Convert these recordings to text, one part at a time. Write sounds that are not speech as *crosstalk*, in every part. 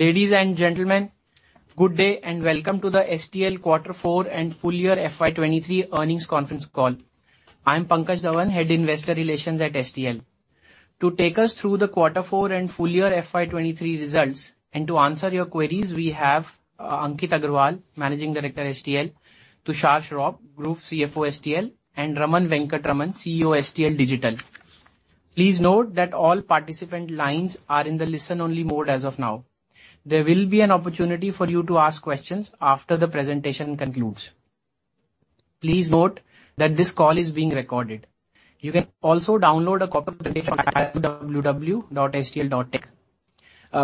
Ladies and gentlemen, good day and welcome to the STL Q4 and full year FY 2023 earnings conference call. I'm Pankaj Dhawan, Head Investor Relations at STL. To take us through the Q4 and full year FY 2023 results and to answer your queries, we have Ankit Agarwal, Managing Director, STL, Tushar Shroff, Group CFO, STL, and Raman Venkatraman, CEO, STL Digital. Please note that all participant lines are in the listen only mode as of now. There will be an opportunity for you to ask questions after the presentation concludes. Please note that this call is being recorded. You can also download a copy of the presentation at www.stl.tech.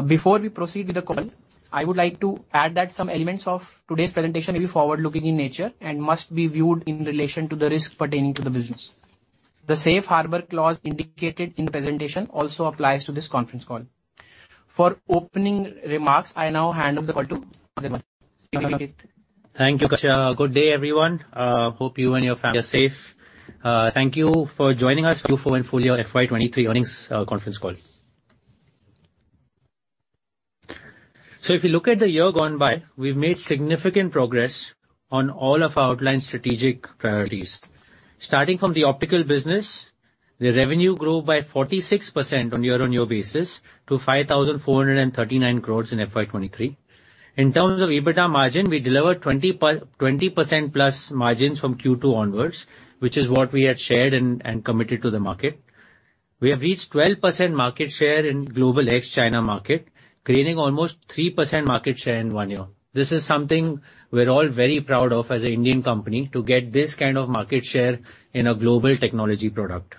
Before we proceed with the call, I would like to add that some elements of today's presentation may be forward-looking in nature and must be viewed in relation to the risks pertaining to the business. The safe harbor clause indicated in the presentation also applies to this conference call. For opening remarks, I now hand over the call to Ankit Agarwal. Thank you, Pankaj. Good day, everyone. Hope you and your family are safe. Thank you for joining us Q4 and full year FY 2023 earnings conference call. If you look at the year gone by, we've made significant progress on all of our outlined strategic priorities. Starting from the Optical business, the revenue grew by 46% on year-on-year basis to 5,439 crores in FY 2023. In terms of EBITDA margin, we delivered 20%+ margins from Q2 onwards, which is what we had shared and committed to the market. We have reached 12% market share in global ex-China market, gaining almost 3% market share in one year. This is something we're all very proud of as an Indian company to get this kind of market share in a global technology product.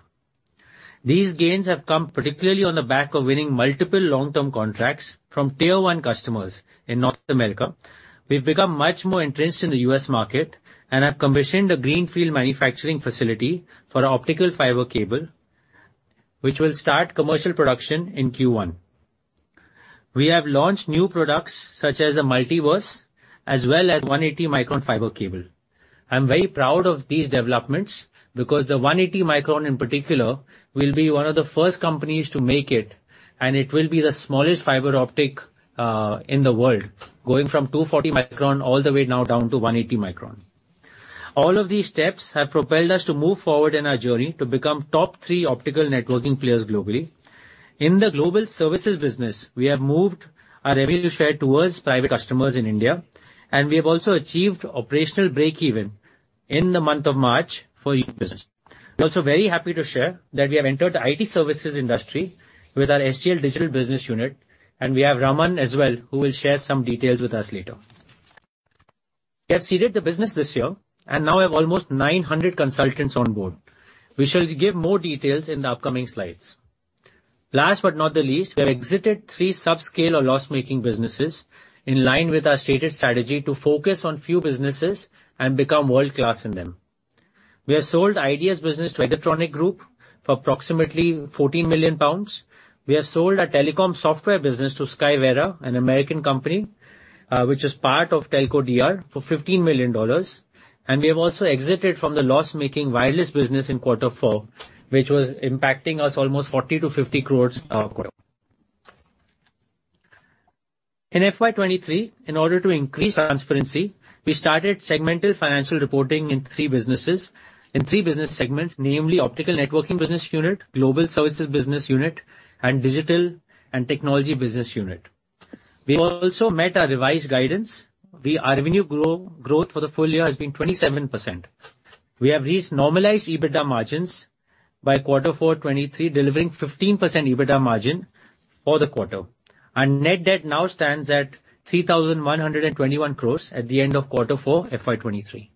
These gains have come particularly on the back of winning multiple long-term contracts from tier one customers in North America. We've become much more entrenched in the U.S. market and have commissioned a greenfield manufacturing facility for Optical Fiber Cable, which will start commercial production in Q1. We have launched new products such as the Multiverse as well as 180 micron fiber cable. I'm very proud of these developments because the 180 micron in particular will be one of the first companies to make it, and it will be the smallest fiber optic in the world, going from 240 micron all the way now down to 180 micron. All of these steps have propelled us to move forward in our journey to become top three optical networking players globally. In the Global Services business, we have moved our revenue share towards private customers in India. We have also achieved operational break-even in the month of March for U.K. business. We're also very happy to share that we have entered the IT services industry with our STL Digital business unit. We have Raman as well who will share some details with us later. We have seeded the business this year and now have almost 900 consultants on board. We shall give more details in the upcoming slides. Last but not the least, we have exited three subscale or loss-making businesses in line with our stated strategy to focus on few businesses and become world-class in them. We have sold IDS business to Hexatronic Group for approximately 14 million pounds. We have sold our telecom software business to Skyvera, an American company, which is part of TelcoDR for $15 million. We have also exited from the loss-making wireless business in Q4, which was impacting us almost 40-50 crores per quarter. In FY 2023, in order to increase transparency, we started segmental financial reporting in three businesses. In three business segments, namely Optical Networking business Unit, Global Services Business Unit, and Digital and Technology Business Unit. We have also met our revised guidance. Our revenue growth for the full year has been 27%. We have reached normalized EBITDA margins by Q4 2023, delivering 15% EBITDA margin for the quarter. Our net debt now stands at 3,121 crores at the end of Q4 FY23.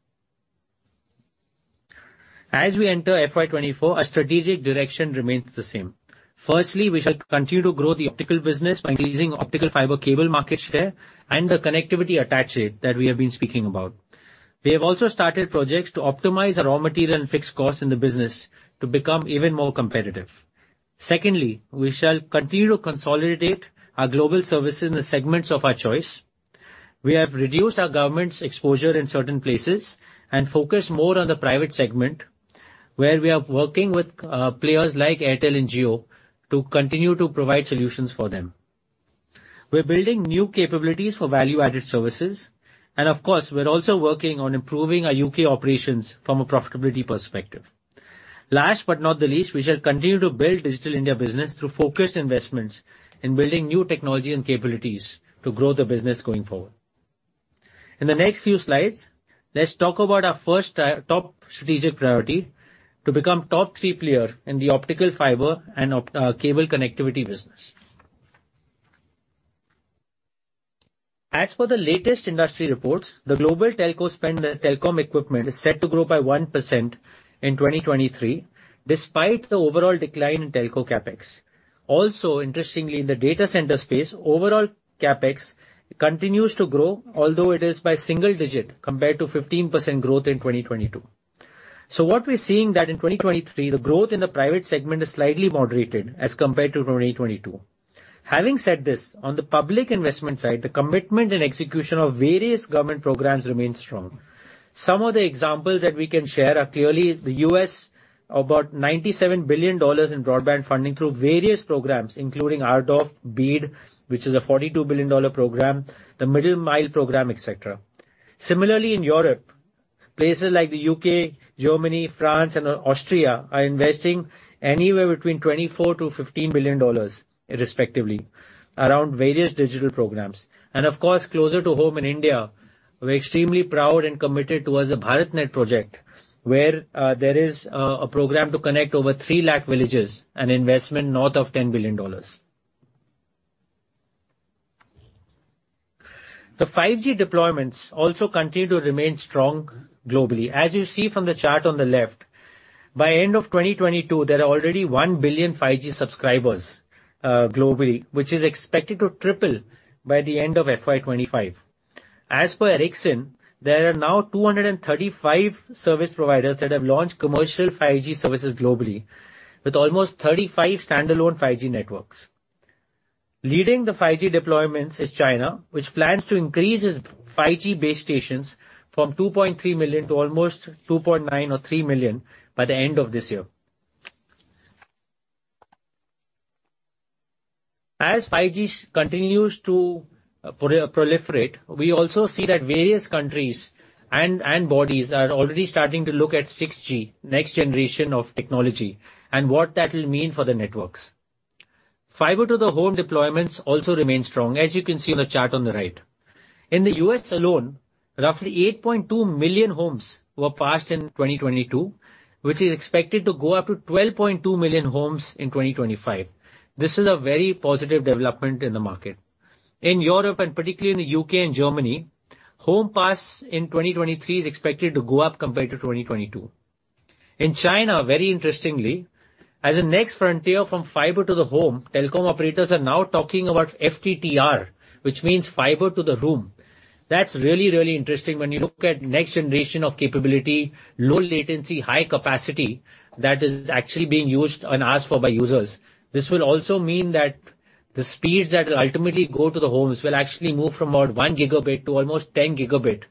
As we enter FY24, our strategic direction remains the same. Firstly, we shall continue to grow the Optical business by increasing Optical Fiber Cable market share and the connectivity attach rate that we have been speaking about. We have also started projects to optimize our raw material and fixed costs in the business to become even more competitive. Secondly, we shall continue to consolidate our global services in the segments of our choice. We have reduced our government's exposure in certain places and focus more on the private segment, where we are working with players like Airtel and Jio to continue to provide solutions for them. We're building new capabilities for value-added services. Of course, we're also working on improving our U.K. operations from a profitability perspective. Last but not the least, we shall continue to build Digital India business through focused investments in building new technology and capabilities to grow the business going forward. In the next few slides, let's talk about our first top strategic priority to become top three player in the Optical Fiber and Cable connectivity business. As per the latest industry reports, the Global Telco spend telecom equipment is set to grow by 1% in 2023, despite the overall decline in telco CapEx. Interestingly, in the data center space, overall CapEx continues to grow, although it is by single digit compared to 15% growth in 2022. What we're seeing that in 2023, the growth in the private segment is slightly moderated as compared to 2022. Having said this, on the public investment side, the commitment and execution of various government programs remains strong. Some of the examples that we can share are clearly the U.S., about $97 billion in broadband funding through various programs, including RDOF, BEAD, which is a $42 billion program, the Middle Mile program, et cetera. Similarly, in Europe, places like the U.K., Germany, France, and Austria are investing anywhere between $24 billion-$15 billion respectively around various digital programs. Closer to home in India, we're extremely proud and committed towards the BharatNet project, where there is a program to connect over 3 lakh villages, an investment north of $10 billion. The 5G deployments also continue to remain strong globally. As you see from the chart on the left, by end of 2022, there are already 1 billion 5G subscribers globally, which is expected to triple by the end of FY 2025. As per Ericsson, there are now 235 service providers that have launched commercial 5G services globally, with almost 35 standalone 5G networks. Leading the 5G deployments is China, which plans to increase its 5G base stations from 2.3 million to almost 2.9 or 3 million by the end of this year. As 5G continues to proliferate, we also see that various countries and bodies are already starting to look at 6G, next generation of technology, and what that will mean for the networks. Fiber to the home deployments also remain strong, as you can see on the chart on the right. In the U.S. alone, roughly 8.2 million homes were passed in 2022, which is expected to go up to 12.2 million homes in 2025. This is a very positive development in the market. In Europe, and particularly in the U.K. and Germany, home pass in 2023 is expected to go up compared to 2022. In China, very interestingly, as a next frontier from fiber to the home, telecom operators are now talking about FTTR, which means fiber-to-the-room. That's really, really interesting when you look at next generation of capability, low latency, high capacity that is actually being used and asked for by users. This will also mean that the speeds that will ultimately go to the homes will actually move from about 1 Gb to almost 10 Gb.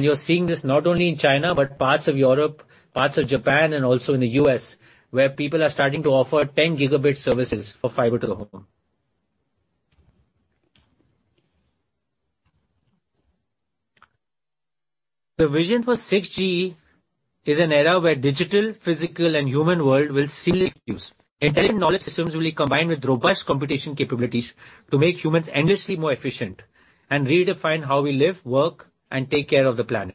You're seeing this not only in China, but parts of Europe, parts of Japan, and also in the U.S., where people are starting to offer 10 Gb services for fiber-to-the-home. The vision for 6G is an era where digital, physical, and human world will seamlessly fuse. Intelligent knowledge systems will be combined with robust computation capabilities to make humans endlessly more efficient and redefine how we live, work, and take care of the planet.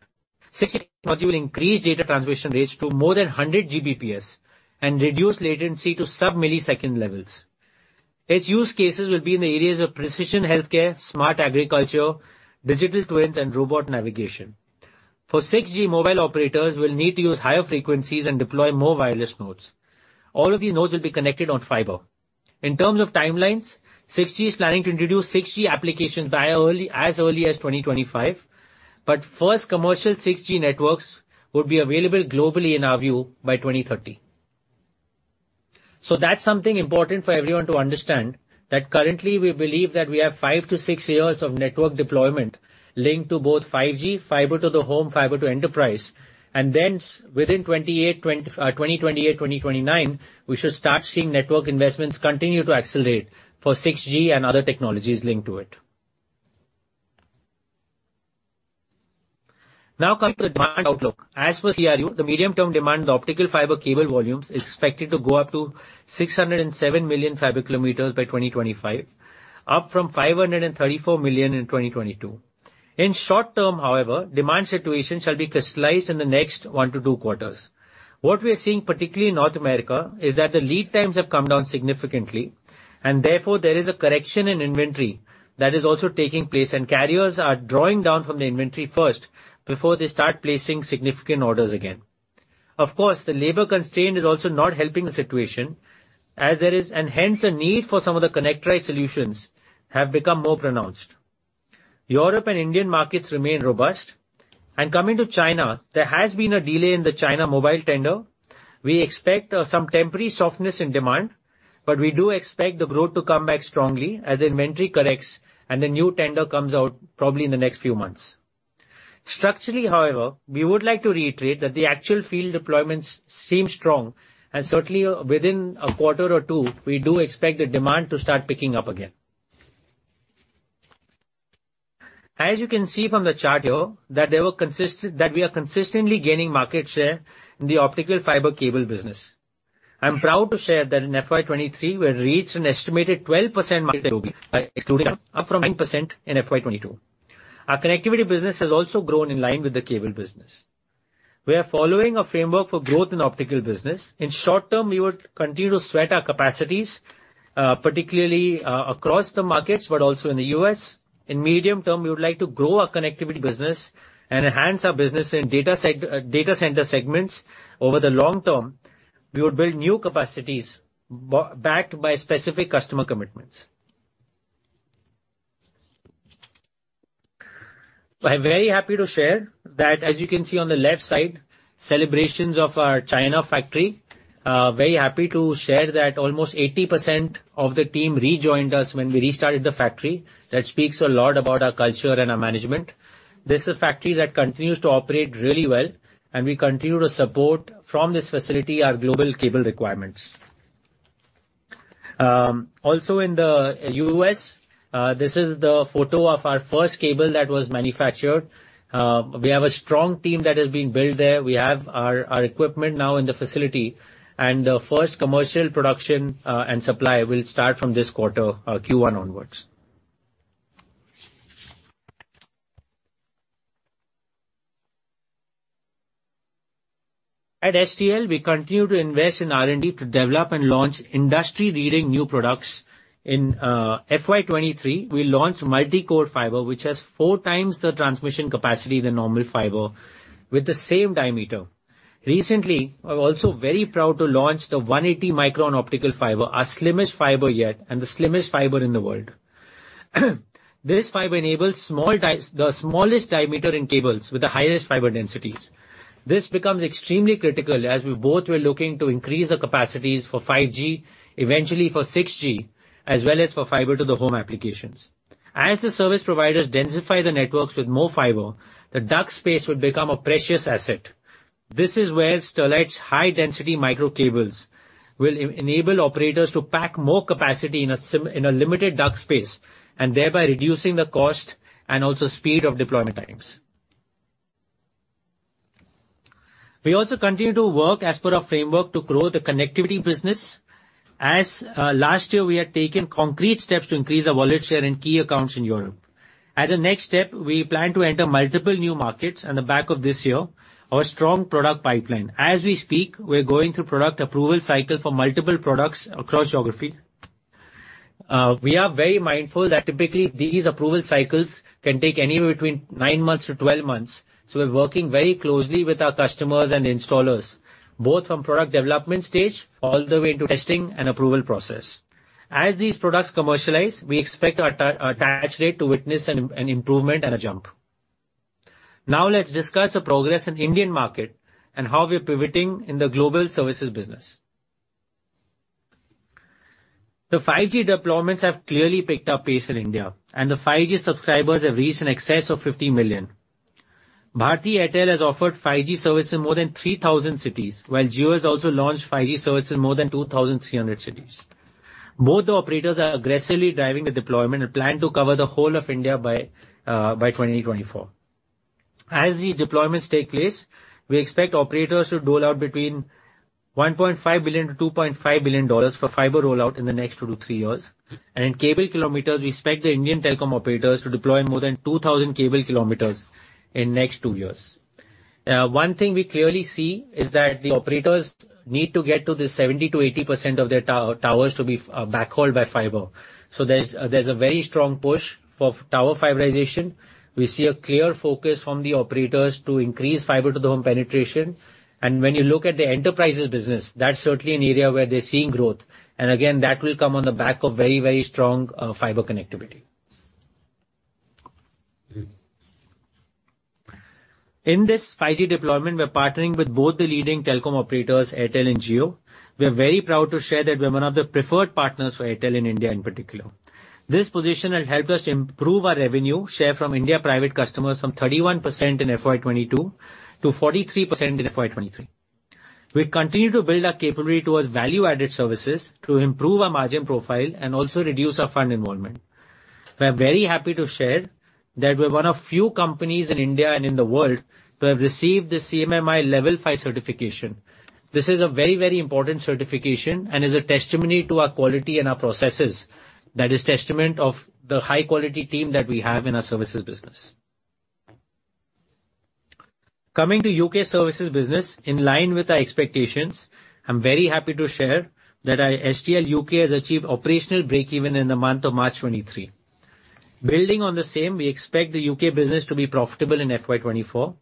6G technology will increase data transmission rates to more than 100 Gbps and reduce latency to sub-millisecond levels. Its use cases will be in the areas of precision healthcare, smart agriculture, digital twins, and robot navigation. For 6G, mobile operators will need to use higher frequencies and deploy more wireless nodes. All of these nodes will be connected on fiber. In terms of timelines, 6G is planning to introduce 6G applications by early, as early as 2025, but first commercial 6G networks will be available globally, in our view, by 2030. That's something important for everyone to understand, that currently we believe that we have five to six years of network deployment linked to both 5G, fiber-to-the-home, fiber to enterprise, and then within 2028, 2029, we should start seeing network investments continue to accelerate for 6G and other technologies linked to it. Now coming to demand outlook. As for CRU, the medium-term demand of Optical Fiber Cable volumes is expected to go up to 607 million fiber km by 2025, up from 534 million in 2022. In short term, however, demand situation shall be crystallized in the next one to two quarters. What we are seeing, particularly in North America, is that the lead times have come down significantly, and therefore there is a correction in inventory that is also taking place, and carriers are drawing down from the inventory first before they start placing significant orders again. Of course, the labor constraint is also not helping the situation as there is an enhanced need for some of the connectorized solutions have become more pronounced. Europe and Indian markets remain robust. Coming to China, there has been a delay in the China Mobile tender. We expect some temporary softness in demand. We do expect the growth to come back strongly as inventory corrects and the new tender comes out probably in the next few months. Structurally, however, we would like to reiterate that the actual field deployments seem strong, and certainly within a quarter or two, we do expect the demand to start picking up again. As you can see from the chart here, that we are consistently gaining market share in the Optical Fiber cable business. I'm proud to share that in FY 2023, we have reached an estimated 12%, *audio distortion* excluding up from 9% in FY 2022. Our Connectivity business has also grown in line with the Cable business. We are following a framework for growth in Optical business. In short term, we would continue to sweat our capacities, particularly across the markets but also in the U.S. In medium term, we would like to grow our Connectivity business and enhance our business in data center segments. Over the long term, we would build new capacities backed by specific customer commitments. I'm very happy to share that as you can see on the left side, celebrations of our China factory. Very happy to share that almost 80% of the team rejoined us when we restarted the factory. That speaks a lot about our culture and our management. This is a factory that continues to operate really well, and we continue to support from this facility our global cable requirements. Also in the U.S., this is the photo of our first cable that was manufactured. We have a strong team that is being built there. We have our equipment now in the facility. The first commercial production and supply will start from this quarter, Q1 onwards. At STL, we continue to invest in R&D to develop and launch industry-leading new products. In FY 2023, we launched Multicore Fibre, which has four times the transmission capacity than normal fiber with the same diameter. Recently, we're also very proud to launch the 180 micron Optical Fibre, our slimmest fiber yet and the slimmest fiber in the world. This fiber enables the smallest diameter in cables with the highest fiber densities. This becomes extremely critical as we both were looking to increase the capacities for 5G, eventually for 6G, as well as for fiber-to-the-home applications. As the service providers densify the networks with more fiber, the duct space will become a precious asset. This is where Sterlite's high density micro cables will enable operators to pack more capacity in a. In a limited duct space, and thereby reducing the cost and also speed of deployment times. We also continue to work as per our framework to grow the Connectivity business as last year we had taken concrete steps to increase our wallet share in key accounts in Europe. A next step, we plan to enter multiple new markets on the back of this year, our strong product pipeline. As we speak, we're going through product approval cycle for multiple products across geographies. We are very mindful that typically these approval cycles can take anywhere between nine months-12 months, so we're working very closely with our customers and installers, both from product development stage all the way into testing and approval process. These products commercialize, we expect our attach rate to witness an improvement and a jump. Now let's discuss the progress in Indian market and how we're pivoting in the Global Services Business. The 5G deployments have clearly picked up pace in India, and the 5G subscribers have reached in excess of 50 million. Bharti Airtel has offered 5G service in more than 3,000 cities, while Jio has also launched 5G service in more than 2,300 cities. Both the operators are aggressively driving the deployment and plan to cover the whole of India by 2024. As the deployments take place, we expect operators to dole out between $1.5 billion-$2.5 billion for fiber rollout in the next two to three years. In cable kilometers, we expect the Indian telecom operators to deploy more than 2,000 cable km in next two years. One thing we clearly see is that the operators need to get to the 70%-80% of their towers to be backhauled by fiber. There's a very strong push for tower fiberization. We see a clear focus from the operators to increase fiber to the home penetration. When you look at the enterprises business, that's certainly an area where they're seeing growth. Again, that will come on the back of very, very strong fiber connectivity. In this 5G deployment, we're partnering with both the leading telecom operators, Airtel and Jio. We are very proud to share that we're one of the preferred partners for Airtel in India in particular. This position has helped us to improve our revenue share from India private customers from 31% in FY 2022 to 43% in FY 2023. We continue to build our capability towards value-added services to improve our margin profile and also reduce our fund involvement. We are very happy to share that we're one of few companies in India and in the world to have received the CMMI Level 5 certification. This is a very important certification and is a testimony to our quality and our processes. That is testament of the high quality team that we have in our Services business. Coming to U.K. Services business, in line with our expectations, I'm very happy to share that our STL U.K. has achieved operational break-even in the month of March 2023. Building on the same, we expect the U.K. business to be profitable in FY 2024.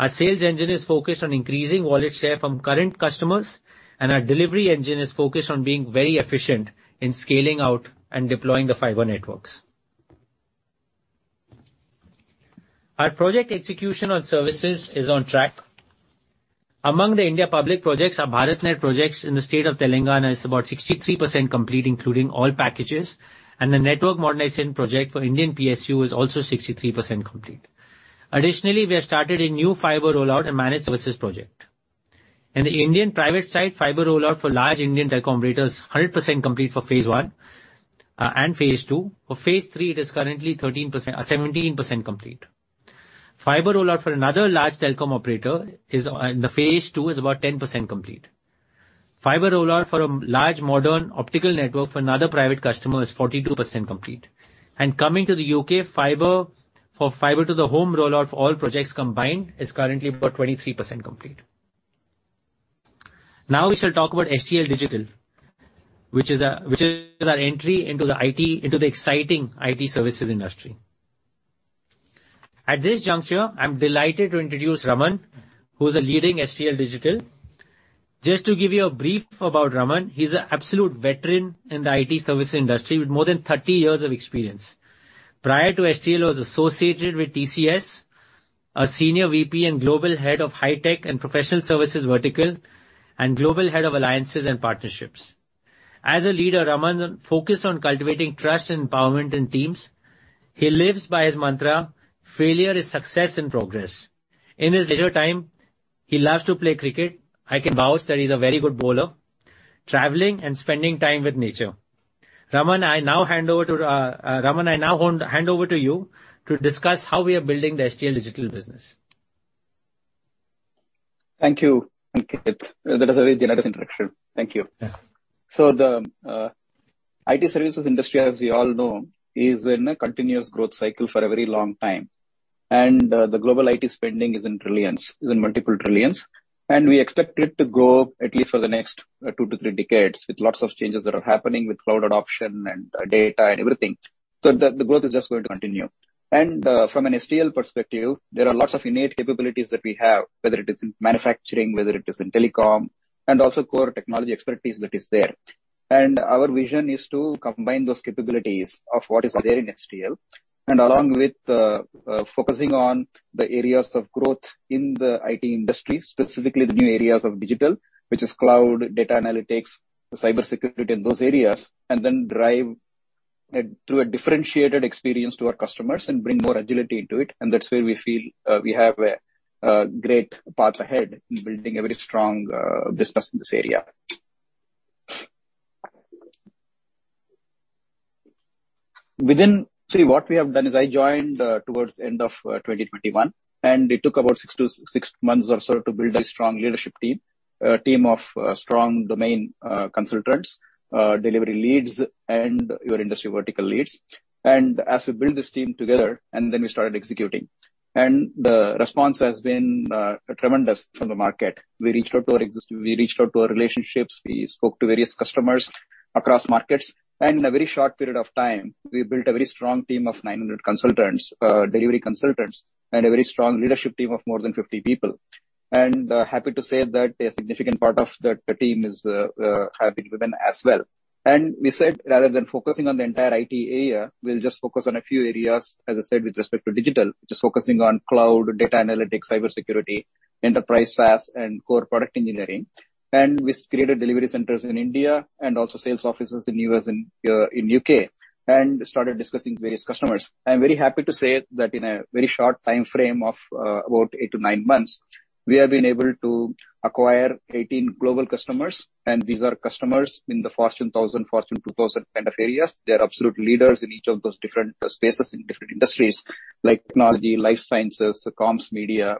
Our sales engine is focused on increasing wallet share from current customers and our delivery engine is focused on being very efficient in scaling out and deploying the fiber networks. Our project execution on services is on track. Among the Indian public projects, our BharatNet projects in the state of Telangana is about 63% complete, including all packages, and the network modernization project for Indian PSU is also 63% complete. Additionally, we have started a new fiber rollout and managed services project. In the Indian private side, fiber rollout for large Indian telecom operator is 100% complete for phase I and phase II. For phase III, it is currently 17% complete. Fiber rollout for another large telecom operator is in the phase two is about 10% complete. Fiber rollout for a large modern optical network for another private customer is 42% complete. Coming to the U.K. fiber, for fiber to the home rollout for all projects combined is currently about 23% complete. Now we shall talk about STL Digital, which is our entry into the exciting IT services industry. At this juncture, I'm delighted to introduce Raman, who's leading STL Digital. Just to give you a brief about Raman, he's an absolute veteran in the IT service industry with more than 30 years of experience. Prior to STL, he was associated with TCS, a Senior VP and Global Head of High Tech and Professional Services vertical, and Global Head of Alliances and Partnerships. As a leader, Raman focus on cultivating trust and empowerment in teams. He lives by his mantra, "Failure is success in progress." In his leisure time he loves to play cricket. I can vouch that he's a very good bowler. Traveling and spending time with nature. Raman, I now hand over to you to discuss how we are building the STL Digital business. Thank you, Ankit. That is a very generous introduction. Thank you. Yes. The IT services industry, as we all know, is in a continuous growth cycle for a very long time. The global IT spending is in trillions, is in multiple trillions, and we expect it to grow at least for the next two to three decades with lots of changes that are happening with cloud adoption and data and everything. The growth is just going to continue. From an STL perspective, there are lots of innate capabilities that we have, whether it is in manufacturing, whether it is in telecom, and also core technology expertise that is there. Our vision is to combine those capabilities of what is there in STL along with focusing on the areas of growth in the IT industry, specifically the new areas of digital, which is cloud, data analytics, cybersecurity in those areas, and then drive through a differentiated experience to our customers and bring more agility into it. That's where we feel we have a great path ahead in building a very strong business in this area. Actually, what we have done is I joined towards end of 2021, and it took about six months or so to build a strong leadership team, a team of strong domain consultants, delivery leads and your industry vertical leads. As we build this team together, we started executing. The response has been tremendous from the market. We reached out to our relationships. We spoke to various customers across markets. In a very short period of time, we built a very strong team of 900 consultants, delivery consultants and a very strong leadership team of more than 50 people. Happy to say that a significant part of that team have been with them as well. We said, rather than focusing on the entire IT area, we'll just focus on a few areas, as I said, with respect to digital, which is focusing on cloud, data analytics, cybersecurity, enterprise SaaS, and core product engineering. We created delivery centers in India and also sales offices in U.S. and in U.K., and started discussing various customers. I'm very happy to say that in a very short timeframe of about eight to nine months, we have been able to acquire 18 global customers, and these are customers in the Fortune 1000, Fortune 2000 kind of areas. They're absolute leaders in each of those different spaces in different industries like technology, life sciences, comms, media,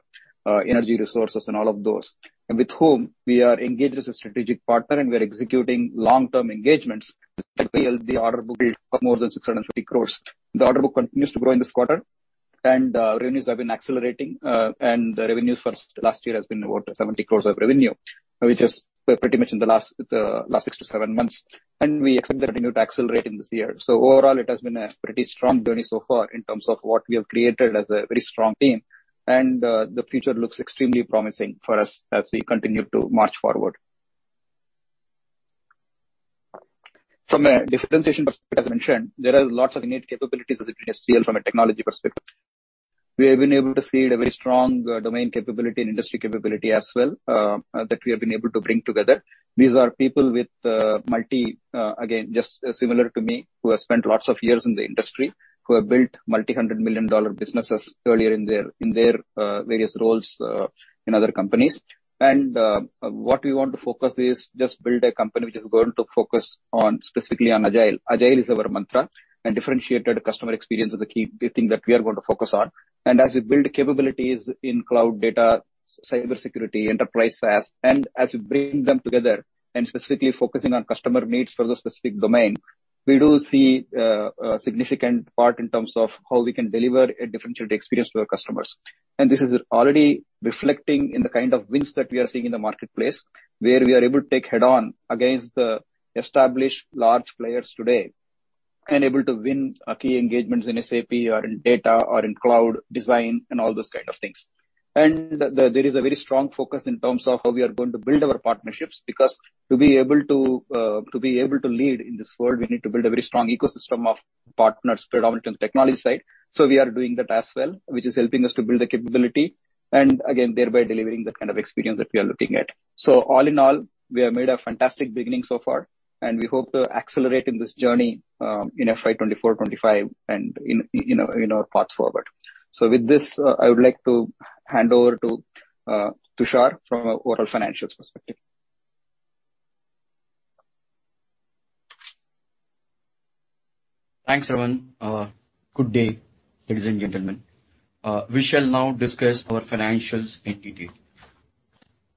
energy resources and all of those. With whom we are engaged as a strategic partner and we are executing long-term engagements that build the order book of more than 650 crores. The order book continues to grow in this quarter and revenues have been accelerating, and revenues for last year has been about 70 crores of revenue. Pretty much in the last six to seven months, and we expect to continue to accelerate in this year. Overall, it has been a pretty strong journey so far in terms of what we have created as a very strong team. The future looks extremely promising for us as we continue to march forward. From a differentiation perspective, as mentioned, there are lots of innate capabilities within STL from a technology perspective. We have been able to see a very strong domain capability and industry capability as well that we have been able to bring together. These are people with multi, again, just similar to me, who have spent lots of years in the industry, who have built multi-hundred million dollar businesses earlier in their various roles in other companies. What we want to focus is just build a company which is going to focus on specifically on agile. Agile is our mantra, and differentiated customer experience is a key thing that we are going to focus on. As we build capabilities in cloud data, cybersecurity, enterprise SaaS, and as we bring them together and specifically focusing on customer needs for the specific domain, we do see a significant part in terms of how we can deliver a differentiated experience to our customers. This is already reflecting in the kind of wins that we are seeing in the marketplace, where we are able to take head on against the established large players today and able to win key engagements in SAP or in data or in cloud design and all those kind of things. There is a very strong focus in terms of how we are going to build our partnerships because to be able to lead in this world, we need to build a very strong ecosystem of partners predominant in the technology side. We are doing that as well, which is helping us to build the capability and again, thereby delivering the kind of experience that we are looking at. All in all, we have made a fantastic beginning so far, and we hope to accelerate in this journey in FY 2024-2025 and in our path forward. With this, I would like to hand over to Tushar from our overall financials perspective. Thanks, Raman. Good day, ladies and gentlemen. We shall now discuss our financials in detail.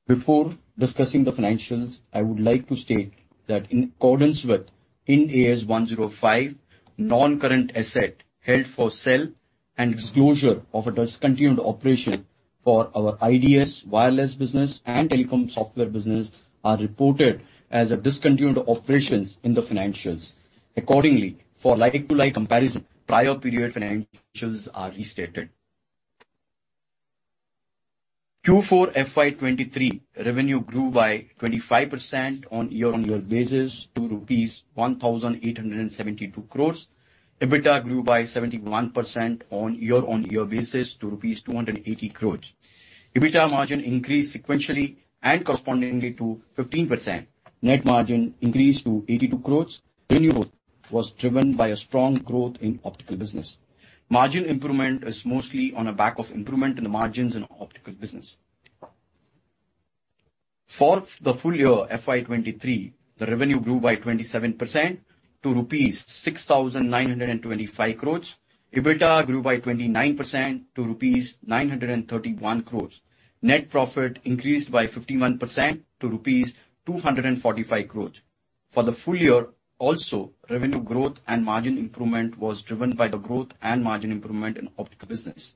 Before discussing the financials, I would like to state that in accordance with Ind AS 105, non-current asset held for sale and disclosure of a discontinued operation for our IDS Wireless business and Telecom Software business are reported as a discontinued operations in the financials. Accordingly, for like-to-like comparison, prior period financials are restated. Q4 FY 2023 revenue grew by 25% on year-on-year basis to rupees 1,872 crores. EBITDA grew by 71% on year-on-year basis to rupees 280 crores. EBITDA margin increased sequentially and correspondingly to 15%. Net margin increased to 82 crores. Revenue growth was driven by a strong growth in Optical business. Margin improvement is mostly on the back of improvement in the margins in Optical business. For the full year FY 2023, the revenue grew by 27% to rupees 6,925 crores. EBITDA grew by 29% to rupees 931 crores. Net profit increased by 51% to rupees 245 crores. For the full year also, revenue growth and margin improvement was driven by the growth and margin improvement in Optical business.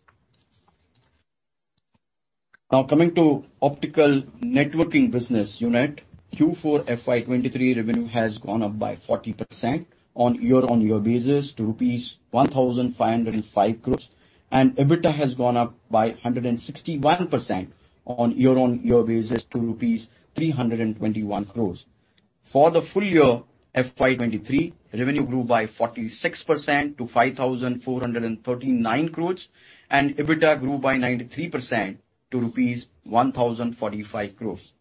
Coming to Optical Networking business unit, Q4 FY 2023 revenue has gone up by 40% on year-on-year basis to rupees 1,505 crores. EBITDA has gone up by 161% on year-on-year basis to rupees 321 crores. For the full year FY 2023, revenue grew by 46% to 5,439 crores, EBITDA grew by 93% to rupees 1,045 crores.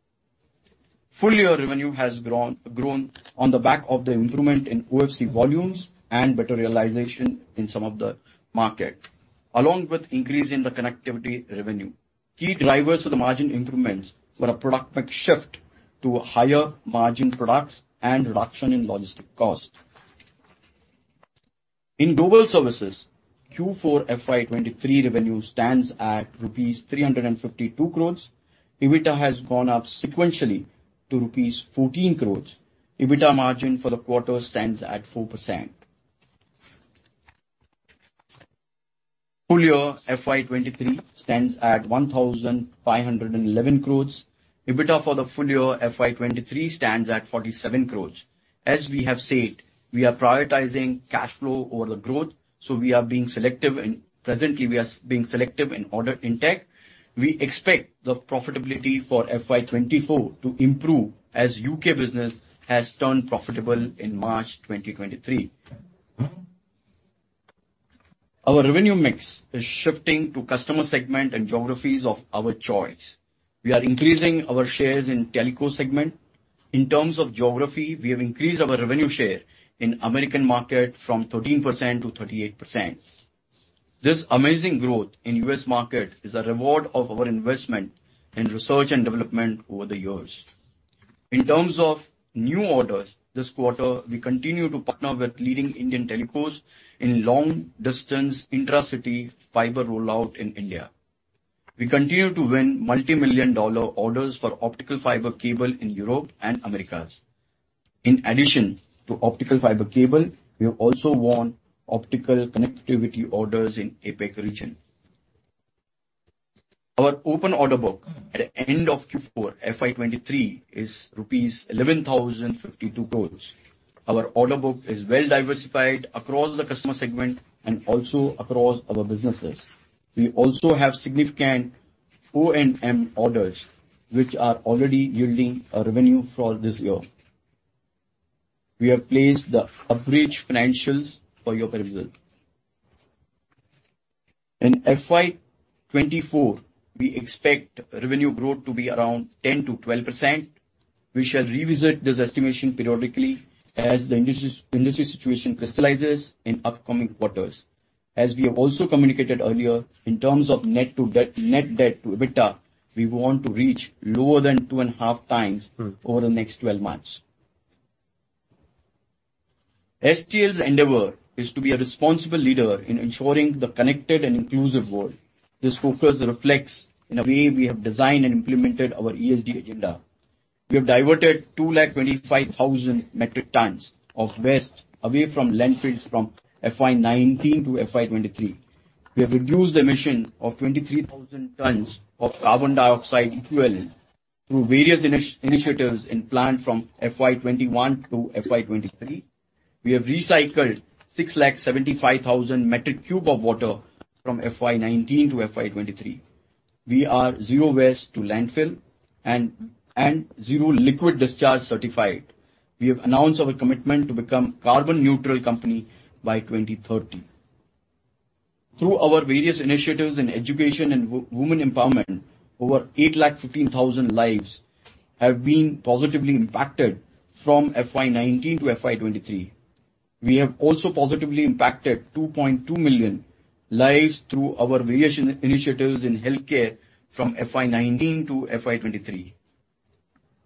Full year revenue has grown on the back of the improvement in OFC volumes and better realization in some of the market, along with increase in the connectivity revenue. Key drivers to the margin improvements were a product mix shift to higher margin products and reduction in logistic cost. In Global Services, Q4 FY23 revenue stands at rupees 352 crores. EBITDA has gone up sequentially to rupees 14 crores. EBITDA margin for the quarter stands at 4%. Full year FY23 stands at 1,511 crores. EBITDA for the full year FY23 stands at 47 crores. As we have said, we are prioritizing cash flow over the growth. Presently we are being selective in order intake. We expect the profitability for FY 2024 to improve as U.K. business has turned profitable in March 2023. Our revenue mix is shifting to customer segment and geographies of our choice. We are increasing our shares in telco segment. In terms of geography, we have increased our revenue share in American market from 13%-38%. This amazing growth in U.S. market is a reward of our investment in research and development over the years. In terms of new orders this quarter, we continue to partner with leading Indian telcos in long-distance intracity fiber rollout in India. We continue to win multimillion-dollar orders for Optical Fiber Cable in Europe and Americas. In addition to Optical Fiber Cable, we have also won optical connectivity orders in APAC region. Our open order book at the end of Q4 FY 2023 is rupees 11,052 crores. Our order book is well diversified across the customer segment and also across our businesses. We also have significant O&M orders, which are already yielding a revenue for this year. We have placed the abridged financials for your perusal. In FY 2024, we expect revenue growth to be around 10%-12%. We shall revisit this estimation periodically as the industry situation crystallizes in upcoming quarters. As we have also communicated earlier, in terms of net debt to EBITDA, we want to reach lower than 2.5x over the next 12 months. STL's endeavor is to be a responsible leader in ensuring the connected and inclusive world. This focus reflects in the way we have designed and implemented our ESG agenda. We have diverted 3 lakh 25,000 metric tons of waste away from landfills from FY 2019 to FY 2023. We have reduced emission of 23,000 tons of carbon dioxide equivalent through various initiatives in plant from FY 2021 to FY 2023. We have recycled 6 lakh 75,000 metric cube of water from FY 2019 to FY 2023. We are zero waste to landfill and zero liquid discharge certified. We have announced our commitment to become carbon neutral company by 2030. Through our various initiatives in education and women empowerment, over 8 lakh 15,000 lives have been positively impacted from FY 2019 to FY 2023. We have also positively impacted 2.2 million lives through our various initiatives in healthcare from FY 2019 to FY 2023.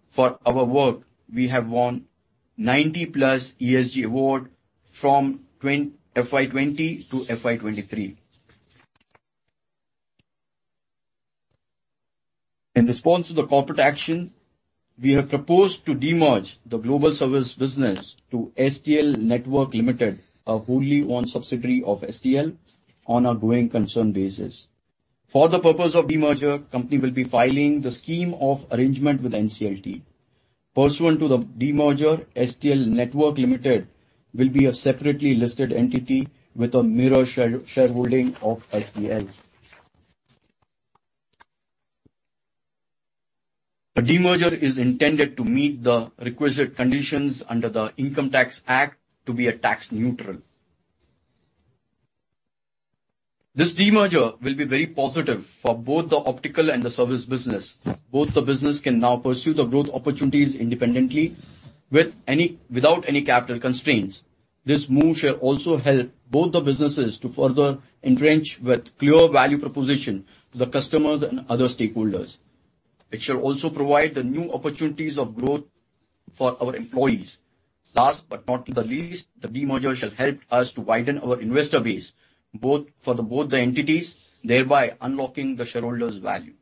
For our work, we have won 90+ ESG awards from FY 2020 to FY 2023. In response to the corporate action, we have proposed to demerge the Global Services business to STL Networks Limited, a wholly owned subsidiary of STL, on a going concern basis. For the purpose of demerger, company will be filing the scheme of arrangement with NCLT. Pursuant to the demerger, STL Networks Limited will be a separately listed entity with a mirror shareholding of STL. The demerger is intended to meet the requisite conditions under the Income Tax Act to be a tax neutral. This demerger will be very positive for both the Optical and the Global Services business. Both the business can now pursue the growth opportunities independently without any capital constraints. This move shall also help both the businesses to further entrench with clear value proposition to the customers and other stakeholders. It shall also provide the new opportunities of growth for our employees. Last but not the least, the demerger shall help us to widen our investor base for both the entities, thereby unlocking the shareholder value.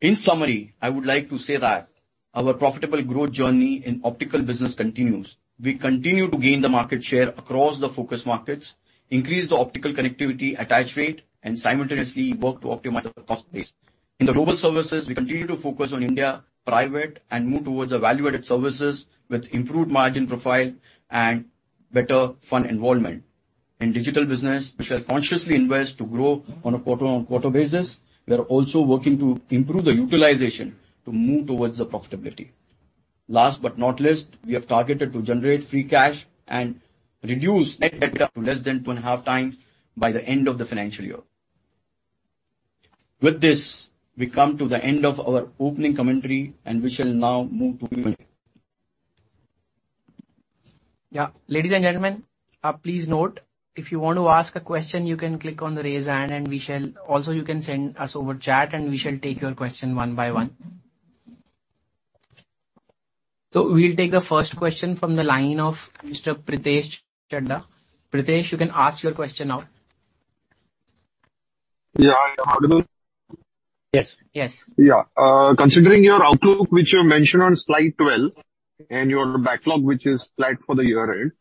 In summary, I would like to say that our profitable growth journey in Optical business continues. We continue to gain the market share across the focus markets, increase the optical connectivity attach rate, and simultaneously work to optimize our cost base. In the Global Services, we continue to focus on India private and move towards the value-added services with improved margin profile and better fund involvement. In Digital business, we shall consciously invest to grow on a quarter-on-quarter basis. We are also working to improve the utilization to move towards the profitability. Last but not least, we have targeted to generate free cash and reduce net debt to less than 2.5x by the end of the financial year. With this, we come to the end of our opening commentary. We shall now move to Q&A. Yeah. Ladies and gentlemen, please note, if you want to ask a question, you can click on the Raise Hand. Also you can send us over chat, and we shall take your question one by one. We'll take the first question from the line of Mr. Pritesh Chheda. Pritesh, you can ask your question now. Yeah. Am I audible? Yes. Yes. Yeah. Considering your outlook, which you mentioned on slide 12, and your backlog, which is flat for the year end,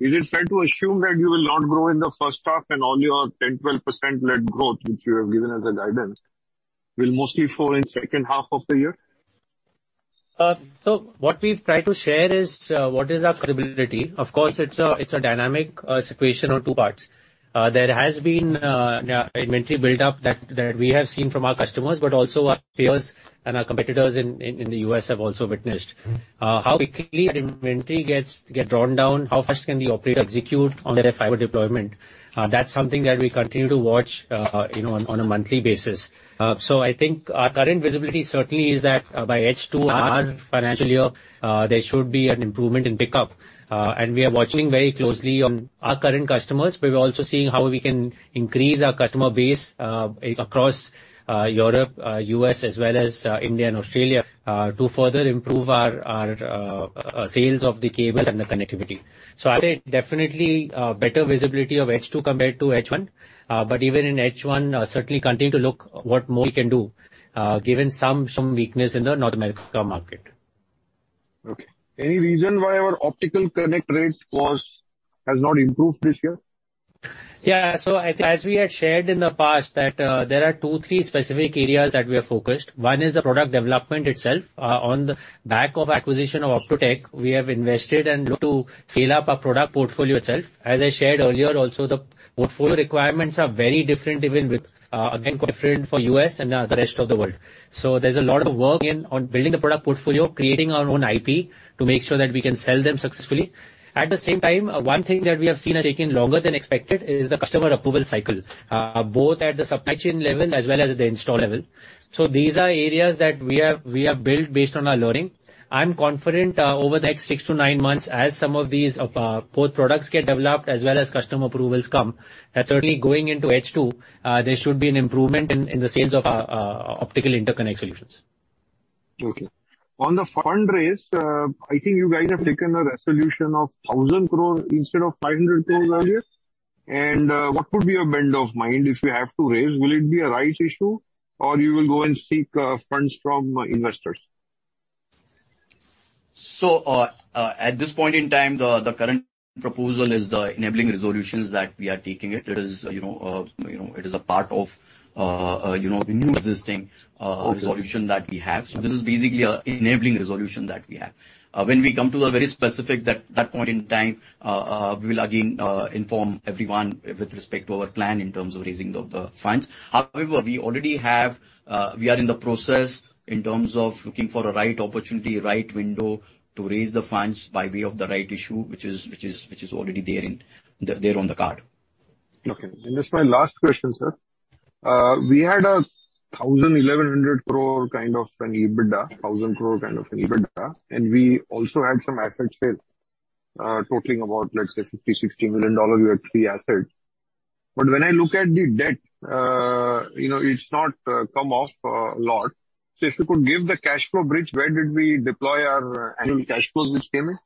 is it fair to assume that you will not grow in the first half and all your 10%-12% net growth which you have given as a guidance will mostly fall in second half of the year? What we've tried to share is what is our credibility. Of course, it's a dynamic situation on two parts. There has been inventory build-up that we have seen from our customers, but also our peers and our competitors in the U.S. have also witnessed. How quickly that inventory get drawn down, how fast can the operator execute on their fiber deployment, that's something that we continue to watch, you know, on a monthly basis. I think our current visibility certainly is that by H2, our financial year, there should be an improvement in pickup. We are watching very closely on our current customers. We're also seeing how we can increase our customer base, across Europe, U.S. as well as India and Australia, to further improve our sales of the cables and the connectivity. I'd say definitely a better visibility of H2 compared to H1. Even in H1, certainly continue to look what more we can do, given some weakness in the North America market. Okay. Any reason why our optical connect rate has not improved this year? Yeah. I thik as we had shared in the past that there are two, three specific areas that we are focused. One is the product development itself. On the back of acquisition of Optotec, we have invested and look to scale up our product portfolio itself. As I shared earlier also, the portfolio requirements are very different, even with again, different for U.S. and the rest of the world. There's a lot of work in on building the product portfolio, creating our own IP to make sure that we can sell them successfully. At the same time, one thing that we have seen has taken longer than expected is the customer approval cycle, both at the supply chain level as well as the install level. These are areas that we have built based on our learning. I'm confident, over the next six to nine months as some of these, both products get developed as well as customer approvals come, that certainly going into H2, there should be an improvement in the sales of our optical interconnect solutions. Okay. On the fundraise, I think you guys have taken a resolution of 1,000 crore instead of 500 crore earlier. What would be your bend of mind if you have to raise? Will it be a rights issue or you will go and seek funds from investors? At this point in time, the current proposal is the enabling resolutions that we are taking it. It is, you know, you know, it is a part of, you know, the new existing resolution that we have. This is basically a enabling resolution that we have. When we come to the very specific that point in time, we will again inform everyone with respect to our plan in terms of raising of the funds. However, we already have. We are in the process in terms of looking for the right opportunity, right window to raise the funds by way of the right issue, which is already there on the card. Okay. This is my last question, sir. We had a 1,000 crore kind of an EBITDA. We also had some asset sale totaling about, let's say, $50 million-$60 million worth the assets. When I look at the debt, you know, it's not come off a lot. If you could give the cash flow bridge. Where did we deploy our annual cash flows which came in?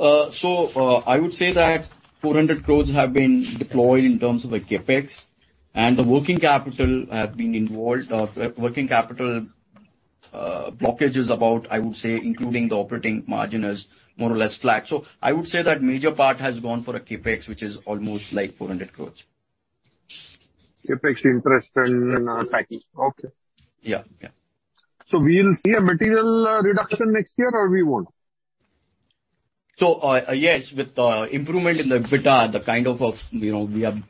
I would say that 400 crores have been deployed in terms of the CapEx and the working capital have been involved. Working capital blockage is about, I would say, including the operating margin as more or less flat. I would say that major part has gone for a CapEx, which is almost like 400 crores. CapEx interest and? Yeah. Okay. Yeah. Yeah. We'll see a material reduction next year or we won't? Yes, with improvement in the EBITDA, the kind of, you know, we have,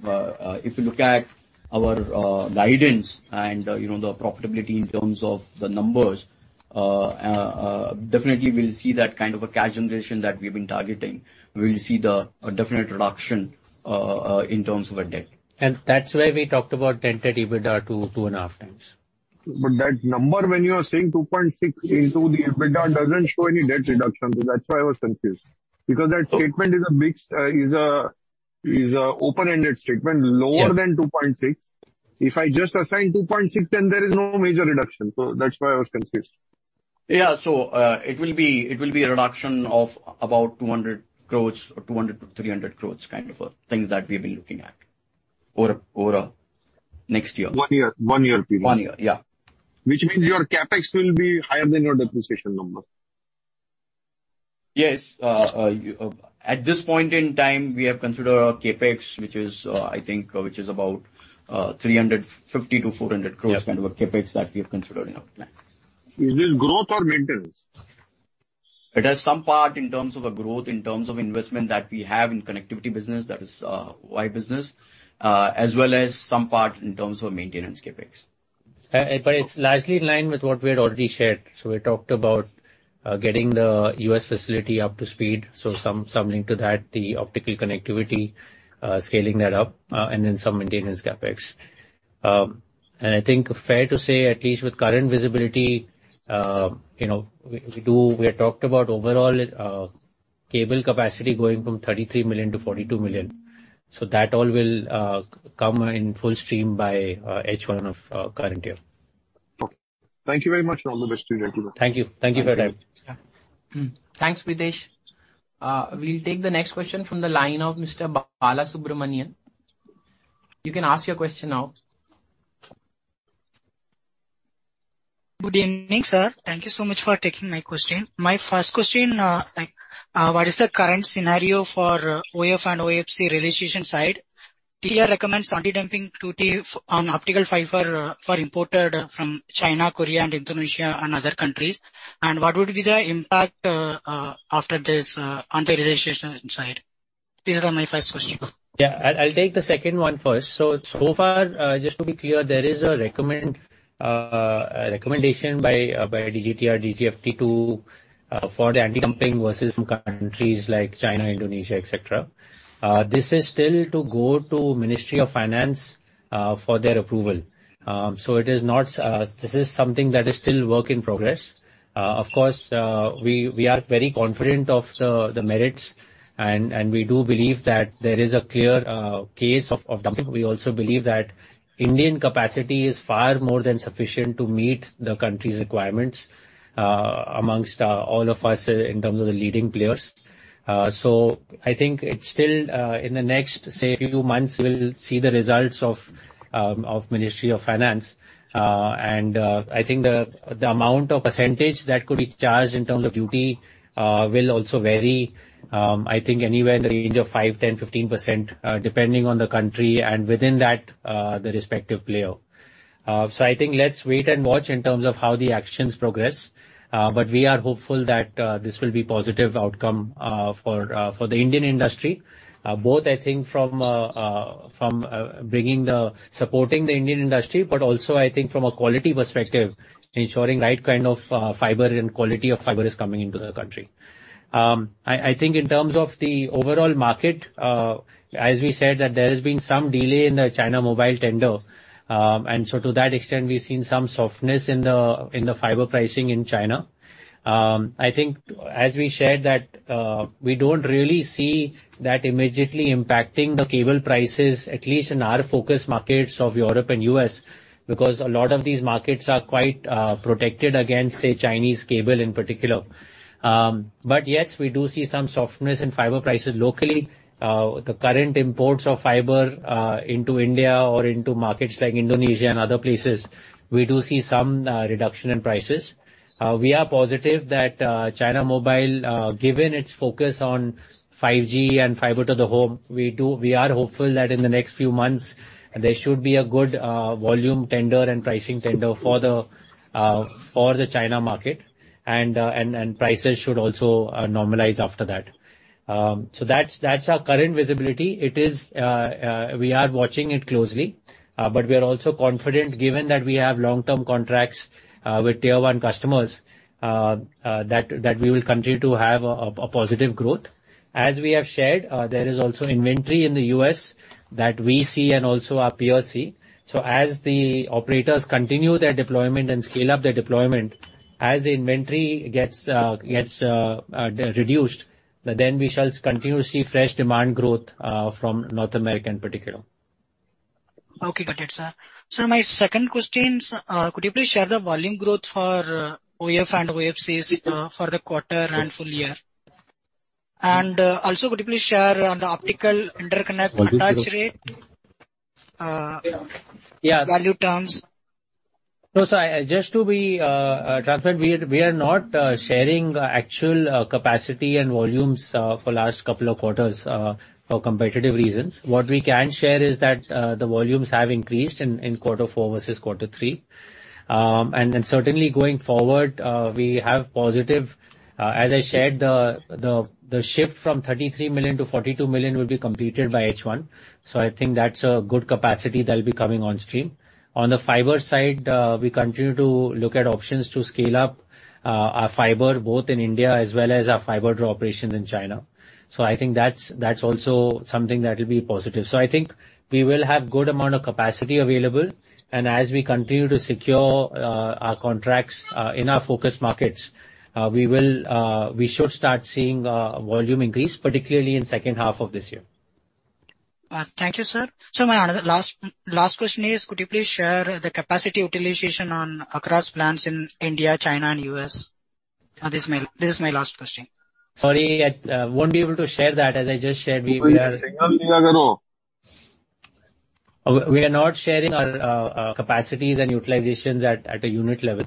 if you look at our guidance and, you know, the profitability in terms of the numbers. Definitely we'll see that kind of a cash generation that we've been targeting. We'll see a definite reduction in terms of our debt. That's why we talked about 10-12 EBITDA to 2.5x. That number, when you are saying 2.6 into the EBITDA doesn't show any debt reduction. That's why I was confused. That statement is a mixed, open-ended statement. Yeah. Lower than 2.6. If I just assign 2.6, then there is no major reduction. That's why I was confused. Yeah. It will be a reduction of about 200 crores or 200 crores-300 crores kind of things that we've been looking at over next year. One year period. One year, yeah. Which means your CapEx will be higher than your depreciation number. Yes. At this point in time, we have considered a CapEx which is about, 350 crorer-INR400 crores. Yeah. Kind of a CapEx that we have considered in our plan. Is this growth or maintenance? It has some part in terms of a growth, in terms of investment that we have in connectivity business. That is Wired business, as well as some part in terms of maintenance CapEx. It's largely in line with what we had already shared. We talked about getting the U.S. facility up to speed, so some link to that, the optical connectivity, scaling that up, and then some maintenance CapEx. I think fair to say at least with current visibility, you know, we had talked about overall cable capacity going from 33 million-42 million. That all will come in full stream by H1 of current year. Okay. Thank you very much. All the best to you too. Thank you. Thank you for your time. Thank you. Yeah. Thanks, Pritesh. We'll take the next question from the line of Mr. Balasubramanian. You can ask your question now. Good evening, sir. Thank you so much for taking my question. My first question, like, what is the current scenario for OF and OFC realization side? DGTR recommends anti-dumping duty on Optical Fiber for imported from China, Korea and Indonesia and other countries. What would be the impact after this anti-realization side? These are my first question. I'll take the second one first. So far, just to be clear, there is a recommendation by DGTR, DGFT to for the anti-dumping versus some countries like China, Indonesia, et cetera. This is still to go to Ministry of Finance for their approval. It is not, this is something that is still work in progress. Of course, we are very confident of the merits and we do believe that there is a clear case of dumping. We also believe that Indian capacity is far more than sufficient to meet the country's requirements amongst all of us in terms of the leading players. I think it's still in the next, say, few months we'll see the results of Ministry of Finance. of percentage that could be charged in terms of duty will also vary, I think anywhere in the range of 5%-15%, depending on the country and within that the respective player. I think let's wait and watch in terms of how the actions progress. But we are hopeful that this will be positive outcome for the Indian industry, both I think from bringing the supporting the Indian industry, but also I think from a quality perspective, ensuring right kind of fiber and quality of fiber is coming into the country. I think in terms of the overall market, as we said that there has been some delay in the China Mobile tender. To that extent we've seen some softness in the fiber pricing in China. I think as we shared that we don't really see that immediately impacting the cable prices, at least in our focus markets of Europe and U.S., because a lot of these markets are quite protected against, say, Chinese cable in particular. Yes, we do see some softness in fiber prices locally. The current imports of fiber into India or into markets like Indonesia and other places, we do see some reduction in prices. We are positive that China Mobile, given its focus on 5G and fiber to the home, we are hopeful that in the next few months there should be a good volume tender and pricing tender for the China market and prices should also normalize after that. That's our current visibility. It is, we are watching it closely, but we are also confident given that we have long-term contracts with tier one customers that we will continue to have a positive growth. As we have shared, there is also inventory in the U.S. that we see and also our peers see. As the operators continue their deployment and scale up their deployment, as the inventory gets reduced, then we shall continue to see fresh demand growth from North America in particular. Okay. Got it, sir. Sir, my second question is, could you please share the volume growth for OF and OFCs, for the quarter and full year? Also could you please share on the optical interconnect attach rate? Yeah. Value terms. No, so I, just to be transparent, we are not sharing actual capacity and volumes for last couple of quarters for competitive reasons. We can share that the volumes have increased in Q4 versus Q3. Certainly going forward, we have positive... As I shared, the shift from 33 million-42 million will be completed by H1, so I think that's a good capacity that'll be coming on stream. On the fiber side, we continue to look at options to scale up our fiber, both in India as well as our fiber draw operations in China. I think that's also something that will be positive. I think we will have good amount of capacity available, and as we continue to secure our contracts in our focus markets, we should start seeing volume increase, particularly in second half of this year. Thank you, sir. My last question is could you please share the capacity utilization on across plants in India, China and U.S.? This is my last question. Sorry, I won't be able to share that. As I just shared, we are not sharing our capacities and utilizations at a unit level.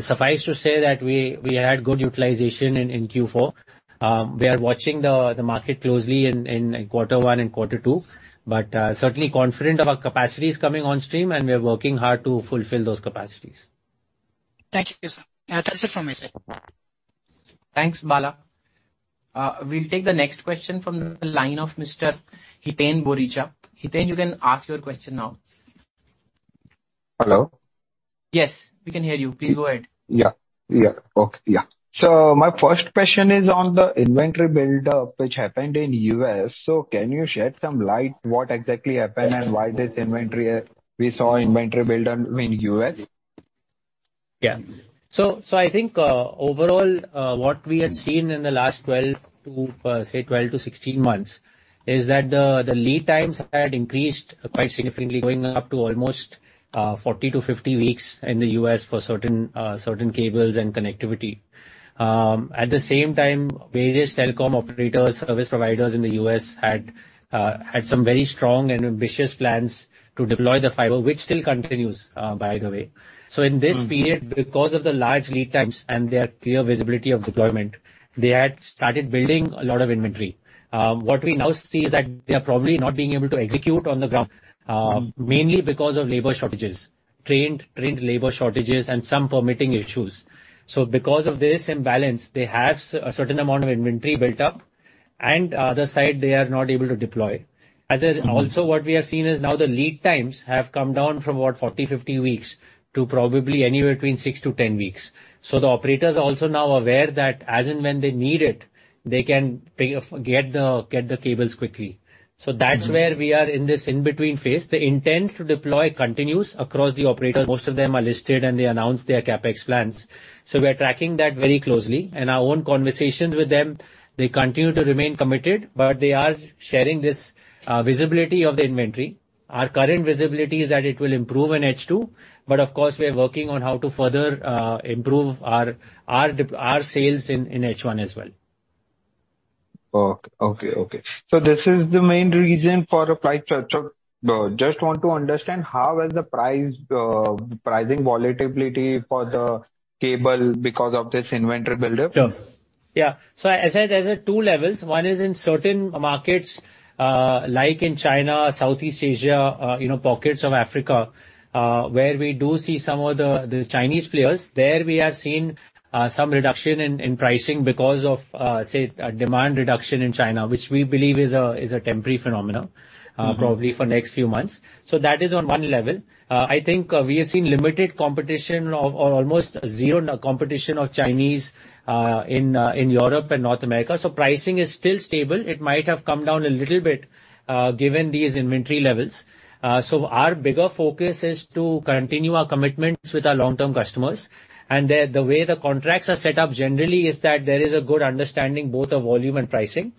Suffice to say that we had good utilization in Q4. We are watching the market closely in quarter one and quarter two. Certainly confident of our capacities coming on stream and we are working hard to fulfill those capacities. Thank you, sir. That's it from my side. Thanks, Bala. We'll take the next question from the line of Mr. Hiten Boricha. Hiten, you can ask your question now. Hello. Yes, we can hear you. Please go ahead. Yeah. Yeah. Okay, yeah. My first question is on the inventory build-up which happened in U.S. Can you shed some light what exactly happened and why we saw inventory build on, I mean, U.S.? I think overall, what we had seen in the last 12 to say 12-16 months, is that the lead times had increased quite significantly, going up to almost 40-50 weeks in the U.S. for certain cables and connectivity. At the same time, various telecom operators, service providers in the U.S. had some very strong and ambitious plans to deploy the fiber, which still continues, by the way. In this period, because of the large lead times and their clear visibility of deployment, they had started building a lot of inventory. What we now see is that they are probably not being able to execute on the ground, mainly because of labor shortages. Trained labor shortages and some permitting issues. Because of this imbalance, they have a certain amount of inventory built up, and other side they are not able to deploy. As in also what we have seen is now the lead times have come down from, what, 40-50 weeks to probably anywhere between six-10 weeks. The operators are also now aware that as and when they need it, they can pay, get the cables quickly. That's where we are in this in-between phase. The intent to deploy continues across the operators. Most of them are listed, and they announce their CapEx plans. We are tracking that very closely. In our own conversations with them, they continue to remain committed, but they are sharing this visibility of the inventory. Our current visibility is that it will improve in H2, but of course, we are working on how to further improve our sales in H1 as well. Okay. This is the main reason for a price structure. Just want to understand how has the pricing volatility for the cable because of this inventory build-up? Sure. Yeah. There's two levels. One is in certain markets, like in China, Southeast Asia, you know, pockets of Africa, where we do see some of the Chinese players. There we have seen some reduction in pricing because of, say, demand reduction in China, which we believe is a temporary phenomena, probably for next few months. That is on one level. I think we have seen limited competition or almost zero competition of Chinese in Europe and North America. Pricing is still stable. It might have come down a little bit given these inventory levels. Our bigger focus is to continue our commitments with our long-term customers. The way the contracts are set up generally is that there is a good understanding both of volume and pricing.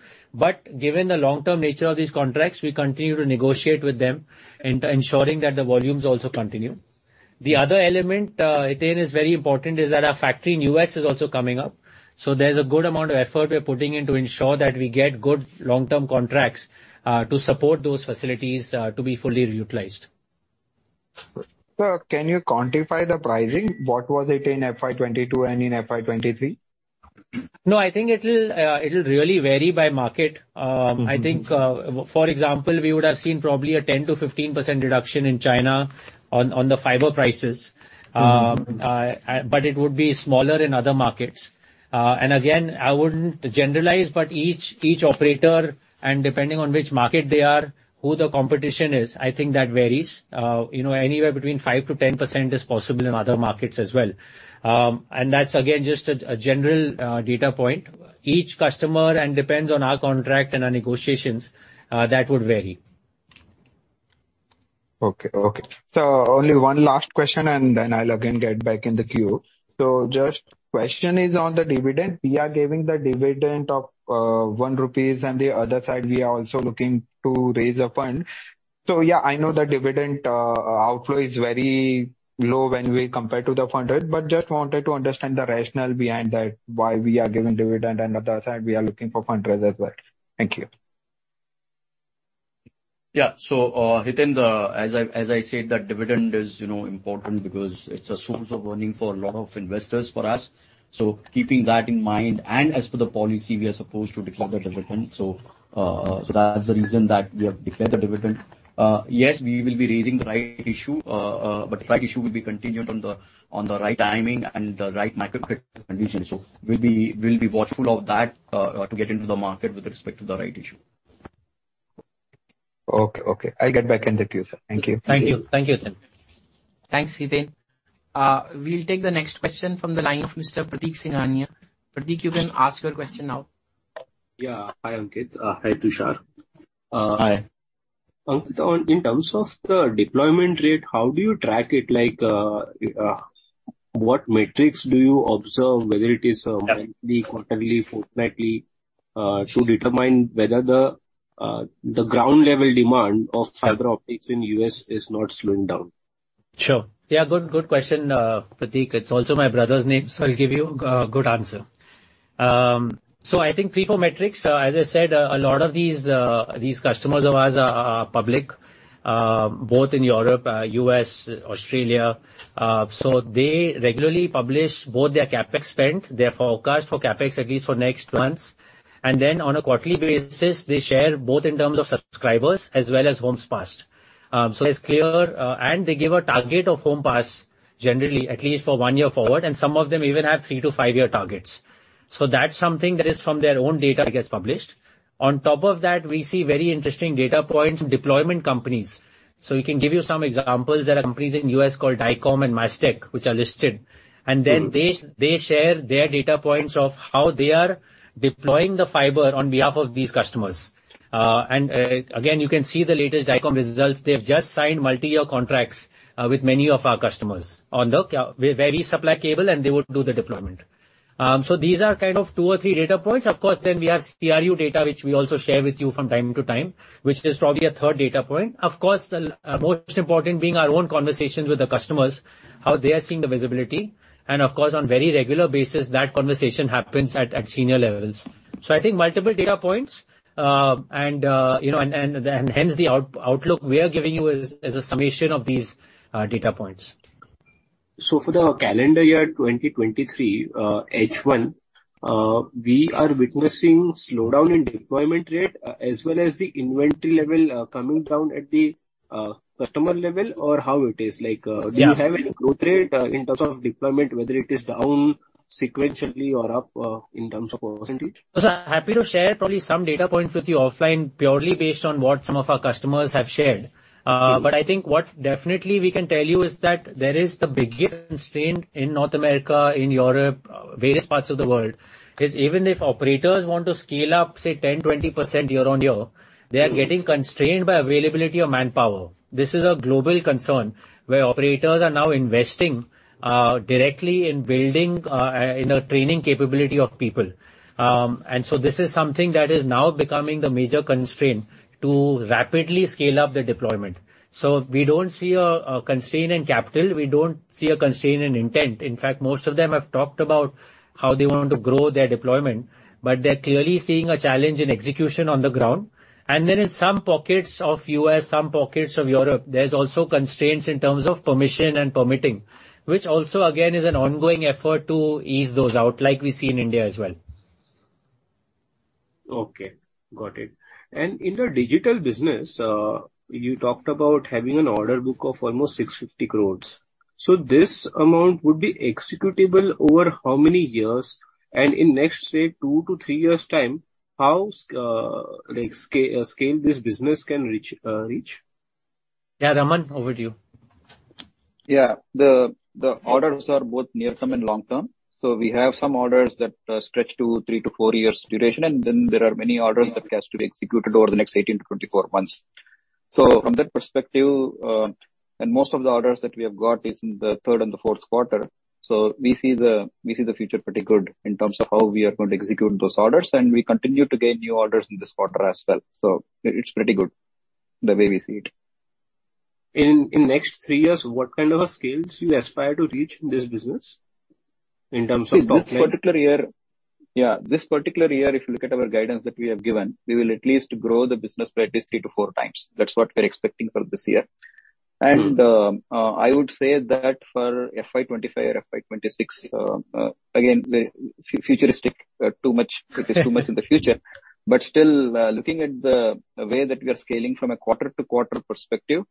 Given the long-term nature of these contracts, we continue to negotiate with them in ensuring that the volumes also continue. The other element, Hiten, is very important, is that our factory in U.S. is also coming up. There's a good amount of effort we're putting in to ensure that we get good long-term contracts to support those facilities to be fully utilized. Sir, can you quantify the pricing? What was it in FY 2022 and in FY 2023? I think it'll really vary by market. Mm-hmm. I think, for example, we would have seen probably a 10%-15% reduction in China on the fiber prices. It would be smaller in other markets. Again, I wouldn't generalize, but each operator, and depending on which market they are, who the competition is, I think that varies. You know, anywhere between 5%-10% is possible in other markets as well. That's again, just a general data point. Each customer and depends on our contract and our negotiations, that would vary. Okay. Only one last question, and then I'll again get back in the queue. Just question is on the dividend. We are giving the dividend of 1 rupees, and the other side we are also looking to raise a fund. Yeah, I know the dividend outflow is very low when we compare to the fundraise, but just wanted to understand the rationale behind that, why we are giving dividend and on the other side we are looking for fundraise as well? Thank you. Yeah. Hiten, as I said, that dividend is, you know, important because it's a source of earning for a lot of investors for us. Keeping that in mind, and as per the policy, we are supposed to declare the dividend. That's the reason that we have declared the dividend. Yes, we will be raising the right issue, but the right issue will be continued on the right timing and the right market conditions. We'll be watchful of that to get into the market with respect to the right issue. Okay. Okay. I'll get back into queue, sir. Thank you. Thank you. Thank you, Hitendra. Thanks, Hiten. We'll take the next question from the line of Mr. Pratik Singhania. Pratik, you can ask your question now. Yeah. Hi, Ankit. Hi, Tushar. Hi. Ankit, in terms of the deployment rate, how do you track it? Like, what metrics do you observe, whether it is monthly, quarterly, fortnightly, to determine whether the ground level demand of fiber optics in U.S. is not slowing down? Sure. Yeah, good question, Pratik. It's also my brother's name so I'll give you a good answer. I think three, four metrics. As I said, a lot of these customers of ours are public, both in Europe, U.S., Australia. They regularly publish both their CapEx spend, their forecast for CapEx, at least for next months. On a quarterly basis, they share both in terms of subscribers as well as homes passed. It's clear, they give a target of home pass generally, at least for one year forward, and some of them even have three-five year targets. That's something that is from their own data that gets published. On top of that, we see very interesting data points in deployment companies. We can give you some examples. There are companies in U.S. called Dycom and MasTec, which are listed. They share their data points of how they are deploying the fiber on behalf of these customers. Again, you can see the latest Dycom results. They've just signed multi-year contracts with many of our customers where we supply cable and they would do the deployment. These are kind of two or three data points. Of course, we have CRU data, which we also share with you from time to time, which is probably a third data point. Of course, the most important being our own conversations with the customers, how they are seeing the visibility. Of course, on very regular basis, that conversation happens at senior levels. I think multiple data points, and, you know, and hence the outlook we are giving you is a summation of these data points. For the calendar year 2023, H1, we are witnessing slowdown in deployment rate, as well as the inventory level, coming down at the customer level or how it is? Yeah. Do you have any growth rate, in terms of deployment, whether it is down sequentially or up, in terms of percentage? I'm happy to share probably some data points with you offline purely based on what some of our customers have shared. I think what definitely we can tell you is that there is the biggest constraint in North America, in Europe, various parts of the world, is even if operators want to scale up, say 10%, 20% year-on-year, they are getting constrained by availability of manpower. This is a global concern where operators are now investing directly in building in the training capability of people. This is something that is now becoming the major constraint to rapidly scale up the deployment. We don't see a constraint in capital. We don't see a constraint in intent. In fact, most of them have talked about how they want to grow their deployment, but they're clearly seeing a challenge in execution on the ground. In some pockets of U.S., some pockets of Europe, there's also constraints in terms of permission and permitting, which also again, is an ongoing effort to ease those out, like we see in India as well. Okay, got it. In the Digital business, you talked about having an order book of almost 650 crores. This amount would be executable over how many years? In next, say, two-three years' time, how scale this business can reach? Yeah, Raman, over to you. The orders are both near-term and long-term. We have some orders that stretch to three-four years duration, and then there are many orders that has to be executed over the next 18-24 months. From that perspective, and most of the orders that we have got is in the third and the fourth quarter. We see the future pretty good in terms of how we are going to execute those orders, and we continue to gain new orders in this quarter as well. It's pretty good, the way we see it. In next three years, what kind of a scales you aspire to reach in this business in terms of top line? This particular year, yeah, this particular year, if you look at our guidance that we have given, we will at least grow the business by at least three-four times. That's what we're expecting for this year. Mm-hmm. I would say for FY 2025 or FY 2026, again, the futuristic, too much it is too much in the future. Still, looking at the way that we are scaling from a quarter-to-quarter perspective,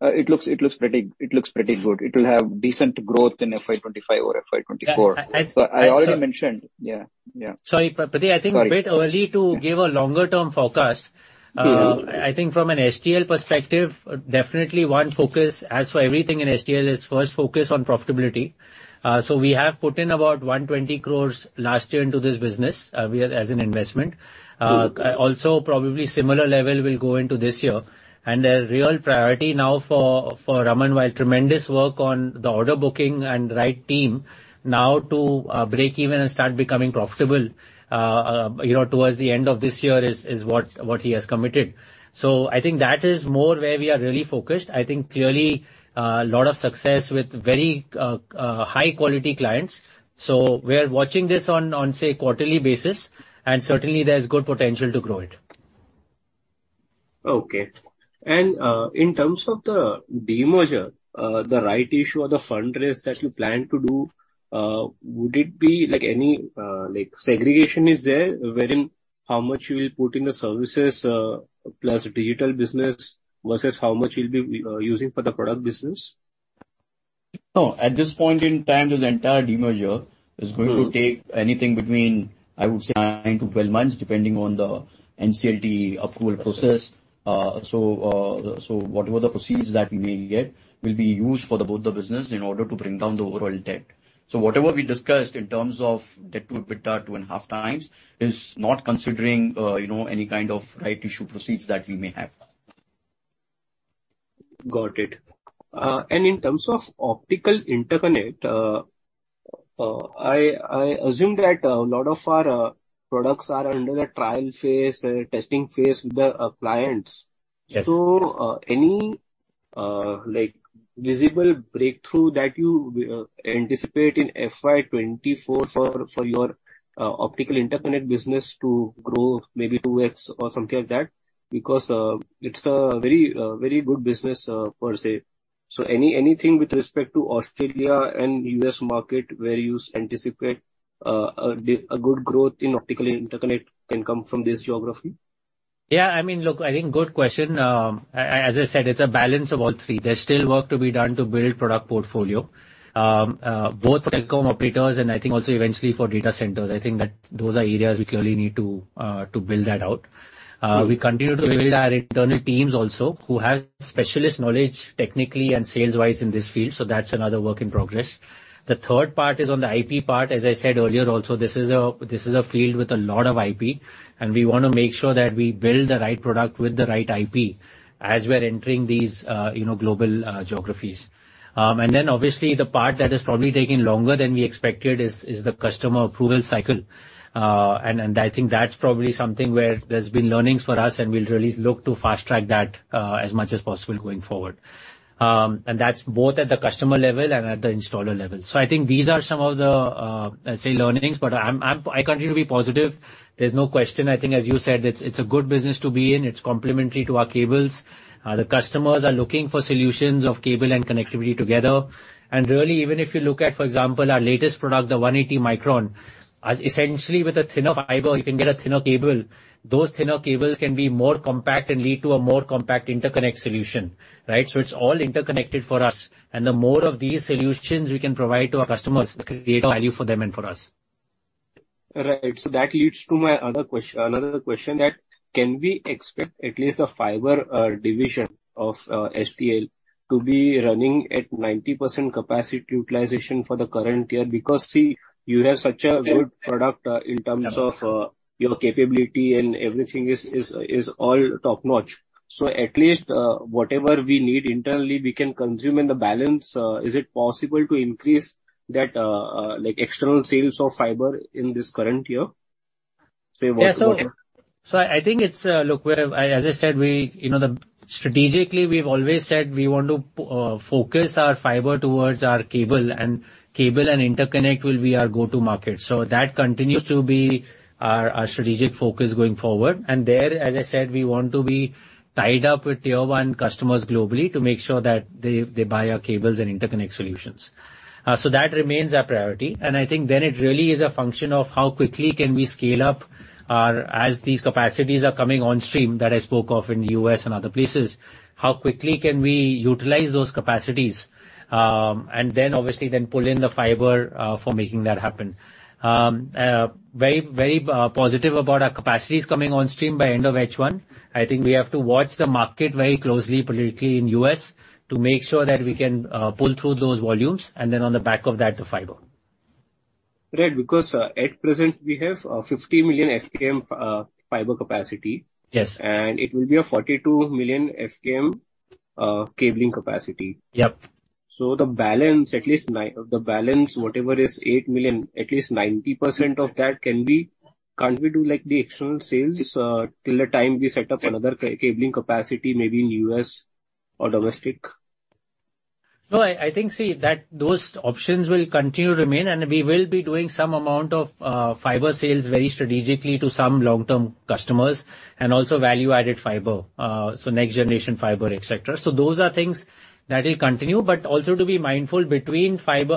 it looks pretty good. It will have decent growth in FY 2025 over FY 2024 Yeah. I also...I already mentioned. Yeah. Yeah. Sorry, Pratik. Sorry. I think a bit early to give a longer term forecast. Mm-hmm. I think from an STL perspective, definitely one focus, as for everything in STL, is first focus on profitability. We have put in about 120 crores last year into this business, as an investment. Mm-hmm. Also probably similar level will go into this year. The real priority now for Raman, while tremendous work on the order booking and the right team, now to break even and start becoming profitable, you know, towards the end of this year is what he has committed. I think that is more where we are really focused. I think clearly, a lot of success with very high quality clients. We are watching this on quarterly basis, and certainly there's good potential to grow it. Okay. In terms of the demerger, the right issue or the fundraise that you plan to do, would it be like any, like segregation is there wherein how much you will put in the services, plus Digital business versus how much you'll be using for the product business? No. At this point in time, this entire demerger is going to take anything between, I would say, nine-12 months, depending on the NCLT approval process. Whatever the proceeds that we may get will be used for the both the business in order to bring down the overall debt. Whatever we discussed in terms of debt to EBITDA 2.5x is not considering, you know, any kind of right issue proceeds that we may have. Got it. In terms of optical interconnect, I assume that a lot of our products are under the trial phase, testing phase with the clients. Yes. Any like visible breakthrough that you anticipate in FY 2024 for your optical interconnect business to grow maybe 2x or something like that because it's a very, very good business per se. Anything with respect to Australia and U.S. market where you anticipate a good growth in optical interconnect can come from this geography? I mean, look, I think good question. As I said, it's a balance of all three. There's still work to be done to build product portfolio, both for telecom operators and I think also eventually for data centers. I think that those are areas we clearly need to build that out. We continue to build our internal teams also who have specialist knowledge technically and sales wise in this field. That's another work in progress. The third part is on the IP part. As I said earlier also, this is a, this is a field with a lot of IP, and we wanna make sure that we build the right product with the right IP as we're entering these, you know, global geographies. Then obviously the part that is probably taking longer than we expected is the customer approval cycle. I think that's probably something where there's been learnings for us and we'll really look to fast-track that as much as possible going forward. That's both at the customer level and at the installer level. I think these are some of the, let's say learnings. I continue to be positive. There's no question. I think as you said, it's a good business to be in. It's complementary to our cables. The customers are looking for solutions of cable and connectivity together. Really, even if you look at, for example, our latest product, the 180 micron, essentially with a thinner fiber you can get a thinner cable. Those thinner cables can be more compact and lead to a more compact interconnect solution, right? It's all interconnected for us. The more of these solutions we can provide to our customers create value for them and for us. Right. That leads to my other another question that can we expect at least a fiber division of STL to be running at 90% capacity utilization for the current year? Because, see, you have such a good product in terms of your capability and everything is all top-notch. At least, whatever we need internally, we can consume in the balance. Is it possible to increase that like external sales of fiber in this current year? Say what? I think it's, look, we're, as I said, we, you know, strategically we've always said we want to focus our fiber towards our cable, and cable and interconnect will be our go-to market. That continues to be our strategic focus going forward. There, as I said, we want to be tied up with tier one customers globally to make sure that they buy our cables and interconnect solutions. That remains our priority. I think then it really is a function of how quickly can we scale up our, as these capacities are coming on stream that I spoke of in the U.S. and other places, how quickly can we utilize those capacities, and then obviously then pull in the fiber for making that happen. Very positive about our capacities coming on stream by end of H1. I think we have to watch the market very closely politically in U.S. to make sure that we can pull through those volumes and then on the back of that, the Fibre. Right. At we have 50 million FKM fiber capacity. Yes. It will be a 42 million FKM cabling capacity. Yep. The balance, at least nine, the balance whatever is 8 million, at least 90% of that can be, can't we do like the external sales, till the time we set up another cabling capacity maybe in U.S. or domestic? No. I think that those options will continue to remain. We will be doing some amount of fiber sales very strategically to some long-term customers and also value-added fiber, so next generation fiber, et cetera. Those are things that will continue. Also to be mindful between cable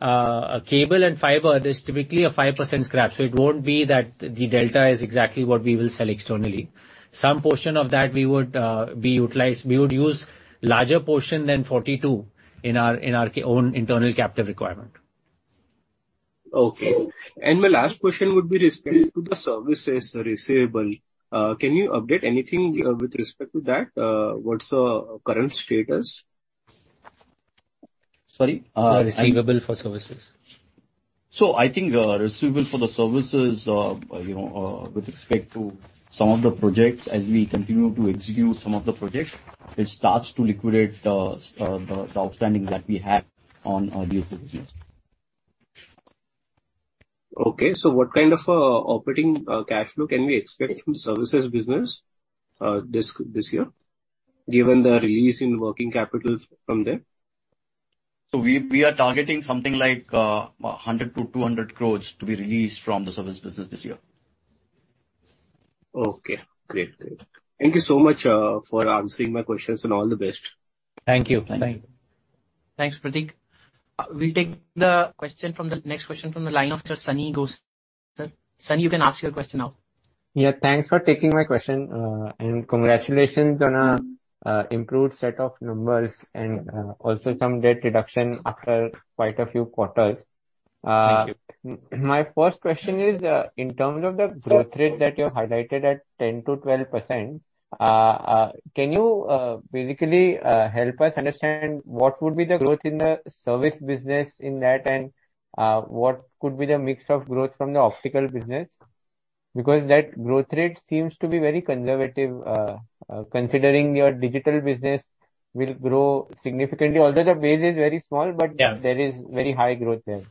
and fiber, there's typically a 5% scrap. It won't be that the delta is exactly what we will sell externally. Some portion of that we would be utilized. We would use larger portion than 42 in our own internal captive requirement. Okay. My last question would be respect to the services receivable. Can you update anything with respect to that? What's the current status? Sorry? Receivable for services. I think, receivable for the services, you know, with respect to some of the projects, as we continue to execute some of the projects, it starts to liquidate, the outstanding that we have on, the other business. Okay. What kind of operating cash flow can we expect from Services business this year, given the release in working capital from them? We are targeting something like, 100 crores-200 crores to be released from the Service business this year. Okay. Great. Great. Thank you so much for answering my questions and all the best. Thank you. Bye. Thanks, Pratik. We'll take the next question from the line of Sir Sunny. *audio distortion* Sunny, you can ask your question now. Thanks for taking my question, and congratulations on an improved set of numbers and also some debt reduction after quite a few quarters. Thank you. My first question is, in terms of the growth rate that you've highlighted at 10%-12%, can you basically help us understand what would be the growth in the Service business in that and what could be the mix of growth from the Optical business? Because that growth rate seems to be very conservative, considering your Digital business will grow significantly. Although the base is very small. Yeah. There is very high growth there.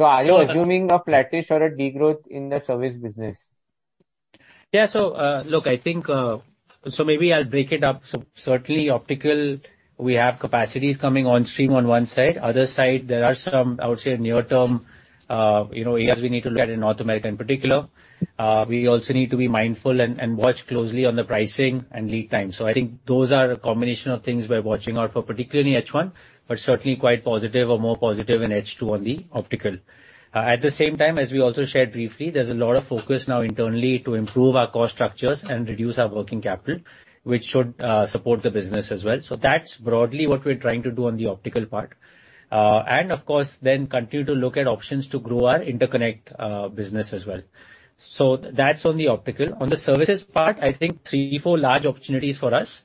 Are you assuming a flattish or a degrowth in theService business? Yeah. Look, I think maybe I'll break it up. Certainly Optical, we have capacities coming on stream on one side. Other side, there are some, I would say, near term, you know, areas we need to look at in North America in particular. We also need to be mindful and watch closely on the pricing and lead time. I think those are a combination of things we're watching out for, particularly in H1, but certainly quite positive or more positive in H2 on the Optical. At the same time, as we also shared briefly, there's a lot of focus now internally to improve our cost structures and reduce our working capital, which should support the business as well. That's broadly what we're trying to do on the Optical part. Of course, then continue to look at options to grow our Interconnect business as well. That's on the Optical. On the Services part, I think three, four large opportunities for us.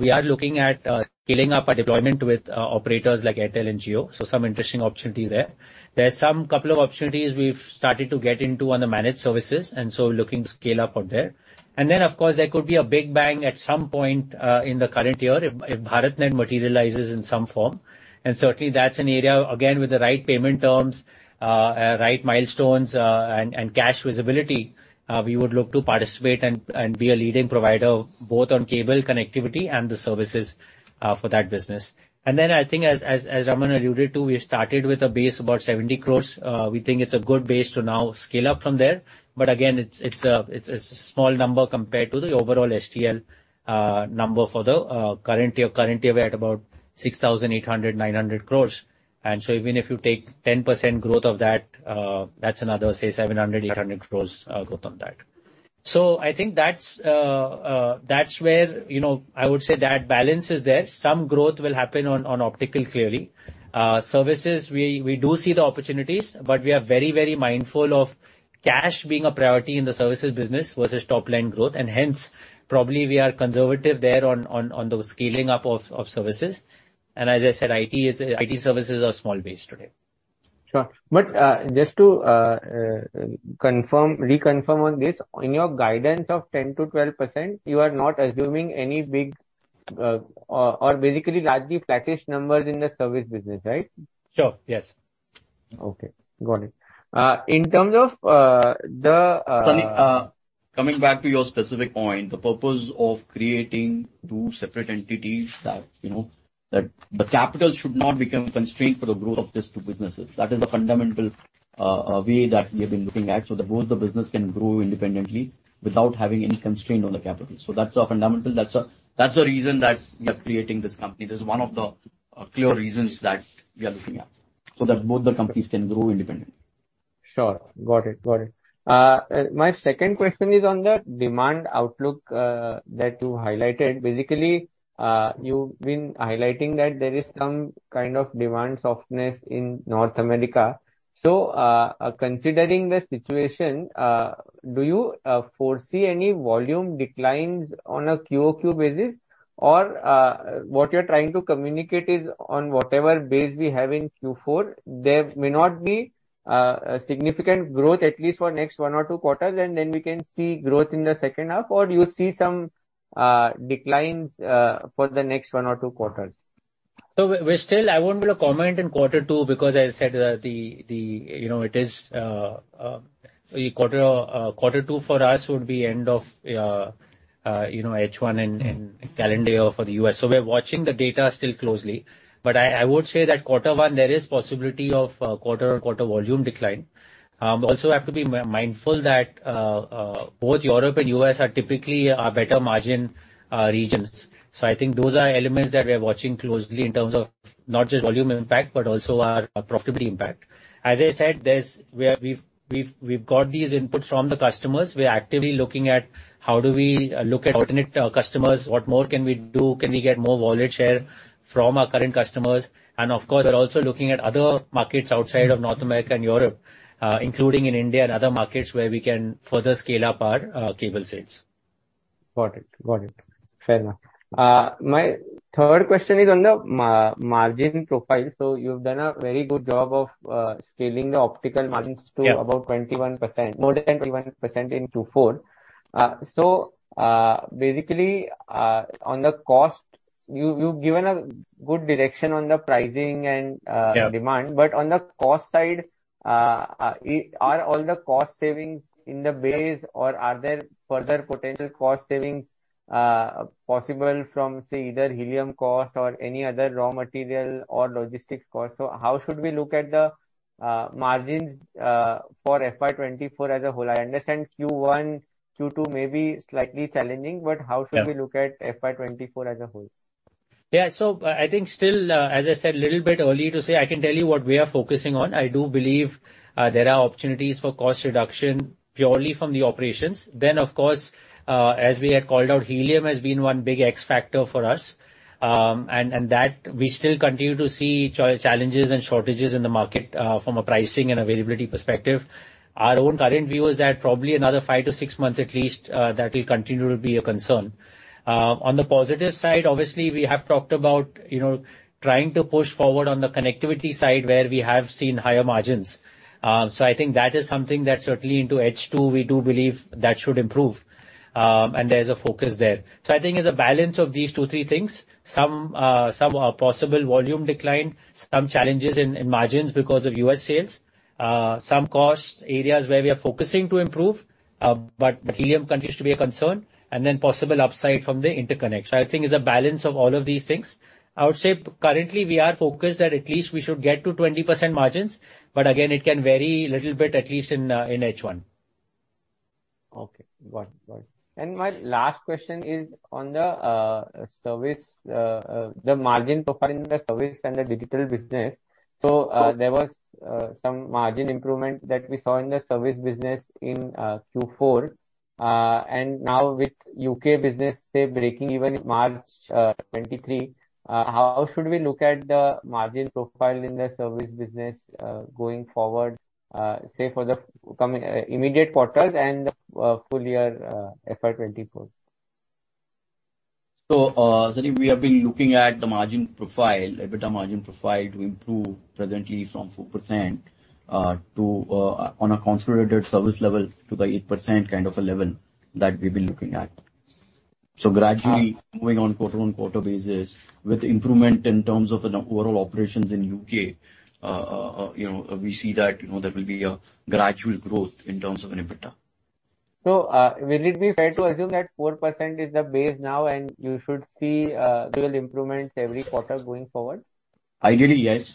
We are looking at scaling up our deployment with operators like Airtel and Jio, so some interesting opportunities there. There are some couple of opportunities we've started to get into on the managed services, and so looking to scale up on there. Then, of course, there could be a big bang at some point in the current year if BharatNet materializes in some form. Certainly that's an area, again, with the right payment terms, right milestones, and cash visibility, we would look to participate and be a leading provider both on cable connectivity and the services for that business. Then I think as Raman alluded to, we started with a base about 70 crore. We think it's a good base to now scale up from there. Again, it's a small number compared to the overall STL number for the current year. Currently, we're at about 6,800 crore-6,900 crore. So even if you take 10% growth of that's another, say, 700 crore-800 crore growth on that. I think that's where, you know, I would say that balance is there. Some growth will happen on Optical, clearly. Services, we do see the opportunities, but we are very, very mindful of cash being a priority in the Services business versus top line growth. Hence, probably we are conservative there on the scaling up of services. As I said, IT services are small base today. Sure. Just to confirm, reconfirm on this. In your guidance of 10%-12%, you are not assuming any big, or basically largely flattish numbers in the Service business, right? Sure. Yes. Okay. Got it. In terms of the Sunny, coming back to your specific point. The purpose of creating two separate entities that, you know, that the capital should not become a constraint for the growth of these two businesses. That is the fundamental way that we have been looking at, so that both the business can grow independently without having any constraint on the capital. That's our fundamental, that's the reason that we are creating this company. That's one of the clear reasons that we are looking at, so that both the companies can grow independently. Sure. Got it. Got it. My second question is on the demand outlook, that you highlighted. Basically, you've been highlighting that there is some kind of demand softness in North America. Considering the situation, do you foresee any volume declines on a QOQ basis? Or what you're trying to communicate is, on whatever base we have in Q4, there may not be a significant growth at least for next one or two quarters, and then we can see growth in the second half? Or do you see some declines for the next one or two quarters? We're still. I won't be able to comment in quarter two because as I said, the, you know, it is, quarter two for us would be end of, you know, H1 and calendar year for the U.S. We're watching the data still closely. I would say that quarter one, there is possibility of a quarter-on-quarter volume decline. Also have to be mindful that, both Europe and U.S. are typically our better margin regions. I think those are elements that we are watching closely in terms of not just volume impact but also our profitability impact. As I said, there's. We've got these inputs from the customers. We are actively looking at how do we look at alternate customers, what more can we do, can we get more wallet share from our current customers? Of course, we're also looking at other markets outside of North America and Europe, including in India and other markets where we can further scale up our cable sales. Got it. Got it. Fair enough. My third question is on the margin profile. You've done a very good job of scaling the optical margins- Yeah. to about 21%, more than 21% in Q4. Basically, on the cost, you've given a good direction on the pricing and- Yeah. demand. On the cost side, are all the cost savings in the base or are there further potential cost savings possible from, say, either helium cost or any other raw material or logistics cost? How should we look at the margins for FY 2024 as a whole? I understand Q1, Q2 may be slightly challenging. Yeah. How should we look at FY 2024 as a whole? Yeah. I think still, as I said, a little bit early to say. I can tell you what we are focusing on. I do believe, there are opportunities for cost reduction purely from the operations. Of course, as we had called out, helium has been one big X factor for us. That we still continue to see challenges and shortages in the market, from a pricing and availability perspective. Our own current view is that probably another five-six months at least, that will continue to be a concern. On the positive side, obviously we have talked about, you know, trying to push forward on the connectivity side where we have seen higher margins. I think that is something that certainly into H2 we do believe that should improve, and there's a focus there. I think it's a balance of these two, three things. Some, some possible volume decline, some challenges in margins because of U.S. sales, some cost areas where we are focusing to improve, but helium continues to be a concern, and then possible upside from the interconnect. I think it's a balance of all of these things. I would say currently we are focused that at least we should get to 20% margins, but again, it can vary a little bit, at least in H1. Okay. Got it. Got it. My last question is on the Service, the margin profile in the service and the Digital business. There was some margin improvement that we saw in the Service business in Q4. Now with UK business, say, breaking even in March 2023, how should we look at the margin profile in the Service business, going forward, say for the coming immediate quarter and the full year, FY 2024? Sunny, we have been looking at the margin profile, EBITDA margin profile to improve presently from 4% to on a consolidated service level to the 8% kind of a level that we've been looking at. Uh- So gradually moving on quarter-on-quarter basis with improvement in terms of the overall operations in U.K., you know, we see that, you know, there will be a gradual growth in terms of an EBITDA. Will it be fair to assume that 4% is the base now and you should see gradual improvements every quarter going forward? Ideally, yes.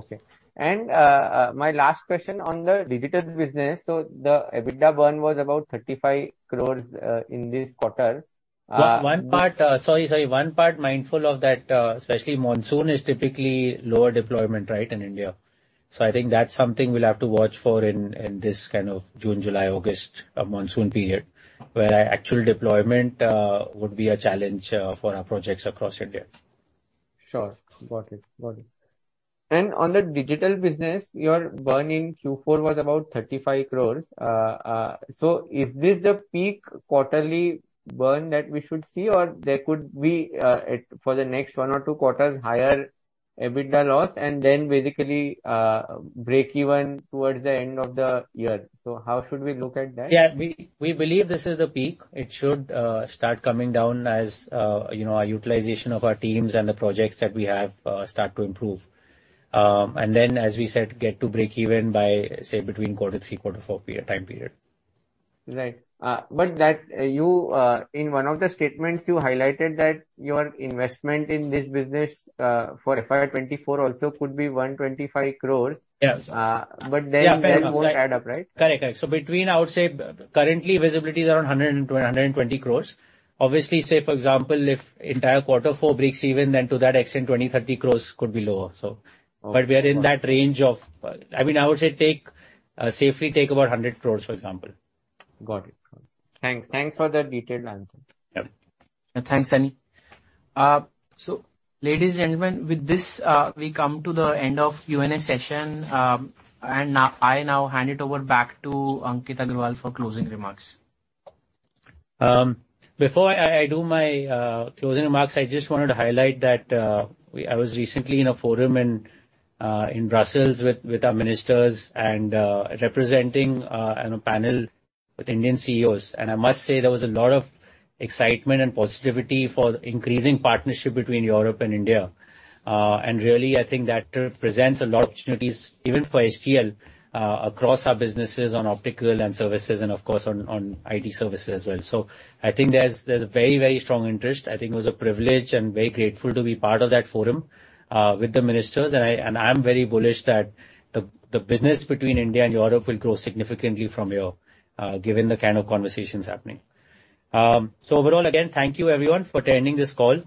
Okay. My last question on the Digital business. The EBITDA burn was about 35 crores in this quarter. One part mindful of that, especially monsoon is typically lower deployment, right, in India. I think that's something we'll have to watch for in this kind of June, July, August monsoon period, where actual deployment would be a challenge for our projects across India. Sure. Got it. Got it. On the Digital business, your burn in Q4 was about 35 crores. Is this the peak quarterly burn that we should see? There could be for the next one or two quarters, higher EBITDA loss and then basically break even towards the end of the year. How should we look at that? Yeah. We believe this is the peak. It should start coming down as, you know, our utilization of our teams and the projects that we have, start to improve. Then as we said, get to break even by, say, between quarter three, quarter four period, time period. Right. That you, in one of the statements you highlighted that your investment in this business, for FY 2024 also could be 125 crores. Yes. Uh, but then- Yeah, fair enough. things won't add up, right? Correct. Correct. Between, I would say currently visibility is around 120 crores. Obviously, say for example, if entire quarter four breaks even, to that extent 20 crores-30 crores could be lower. Okay. Got it. We are in that range of I mean, I would say safely take about 100 crores, for example. Got it. Got it. Thanks. Thanks for the detailed answer. Yep. Thanks, Sunny. Ladies and gentlemen, with this, we come to the end of Q&A session. I now hand it over back to Ankit Agarwal for closing remarks. Before I do my closing remarks, I just wanted to highlight that I was recently in a forum in Brussels with our ministers and representing on a panel with Indian CEOs. I must say there was a lot of excitement and positivity for increasing partnership between Europe and India. Really I think that represents a lot of opportunities even for STL across our businesses on Optical and Services and of course on IT services as well. I think there's a very strong interest. I think it was a privilege and very grateful to be part of that forum with the ministers and I am very bullish that the business between India and Europe will grow significantly from here given the kind of conversations happening. Overall, again, thank you everyone for attending this call,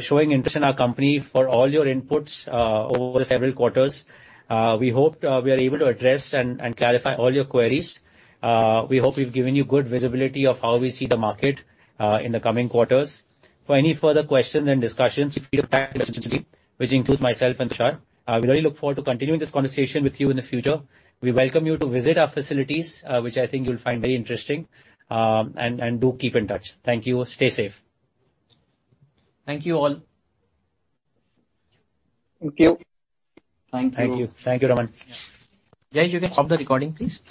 showing interest in our company, for all your inputs, over several quarters. We hope we are able to address and clarify all your queries. We hope we've given you good visibility of how we see the market in the coming quarters. For any further questions and discussions, feel free to contact me directly, which includes myself and Tushar. We really look forward to continuing this conversation with you in the future. We welcome you to visit our facilities, which I think you'll find very interesting. Do keep in touch. Thank you. Stay safe. Thank you all. Thank you. Thank you. Thank you. Thank you, Raman. Jay, you can stop the recording, please.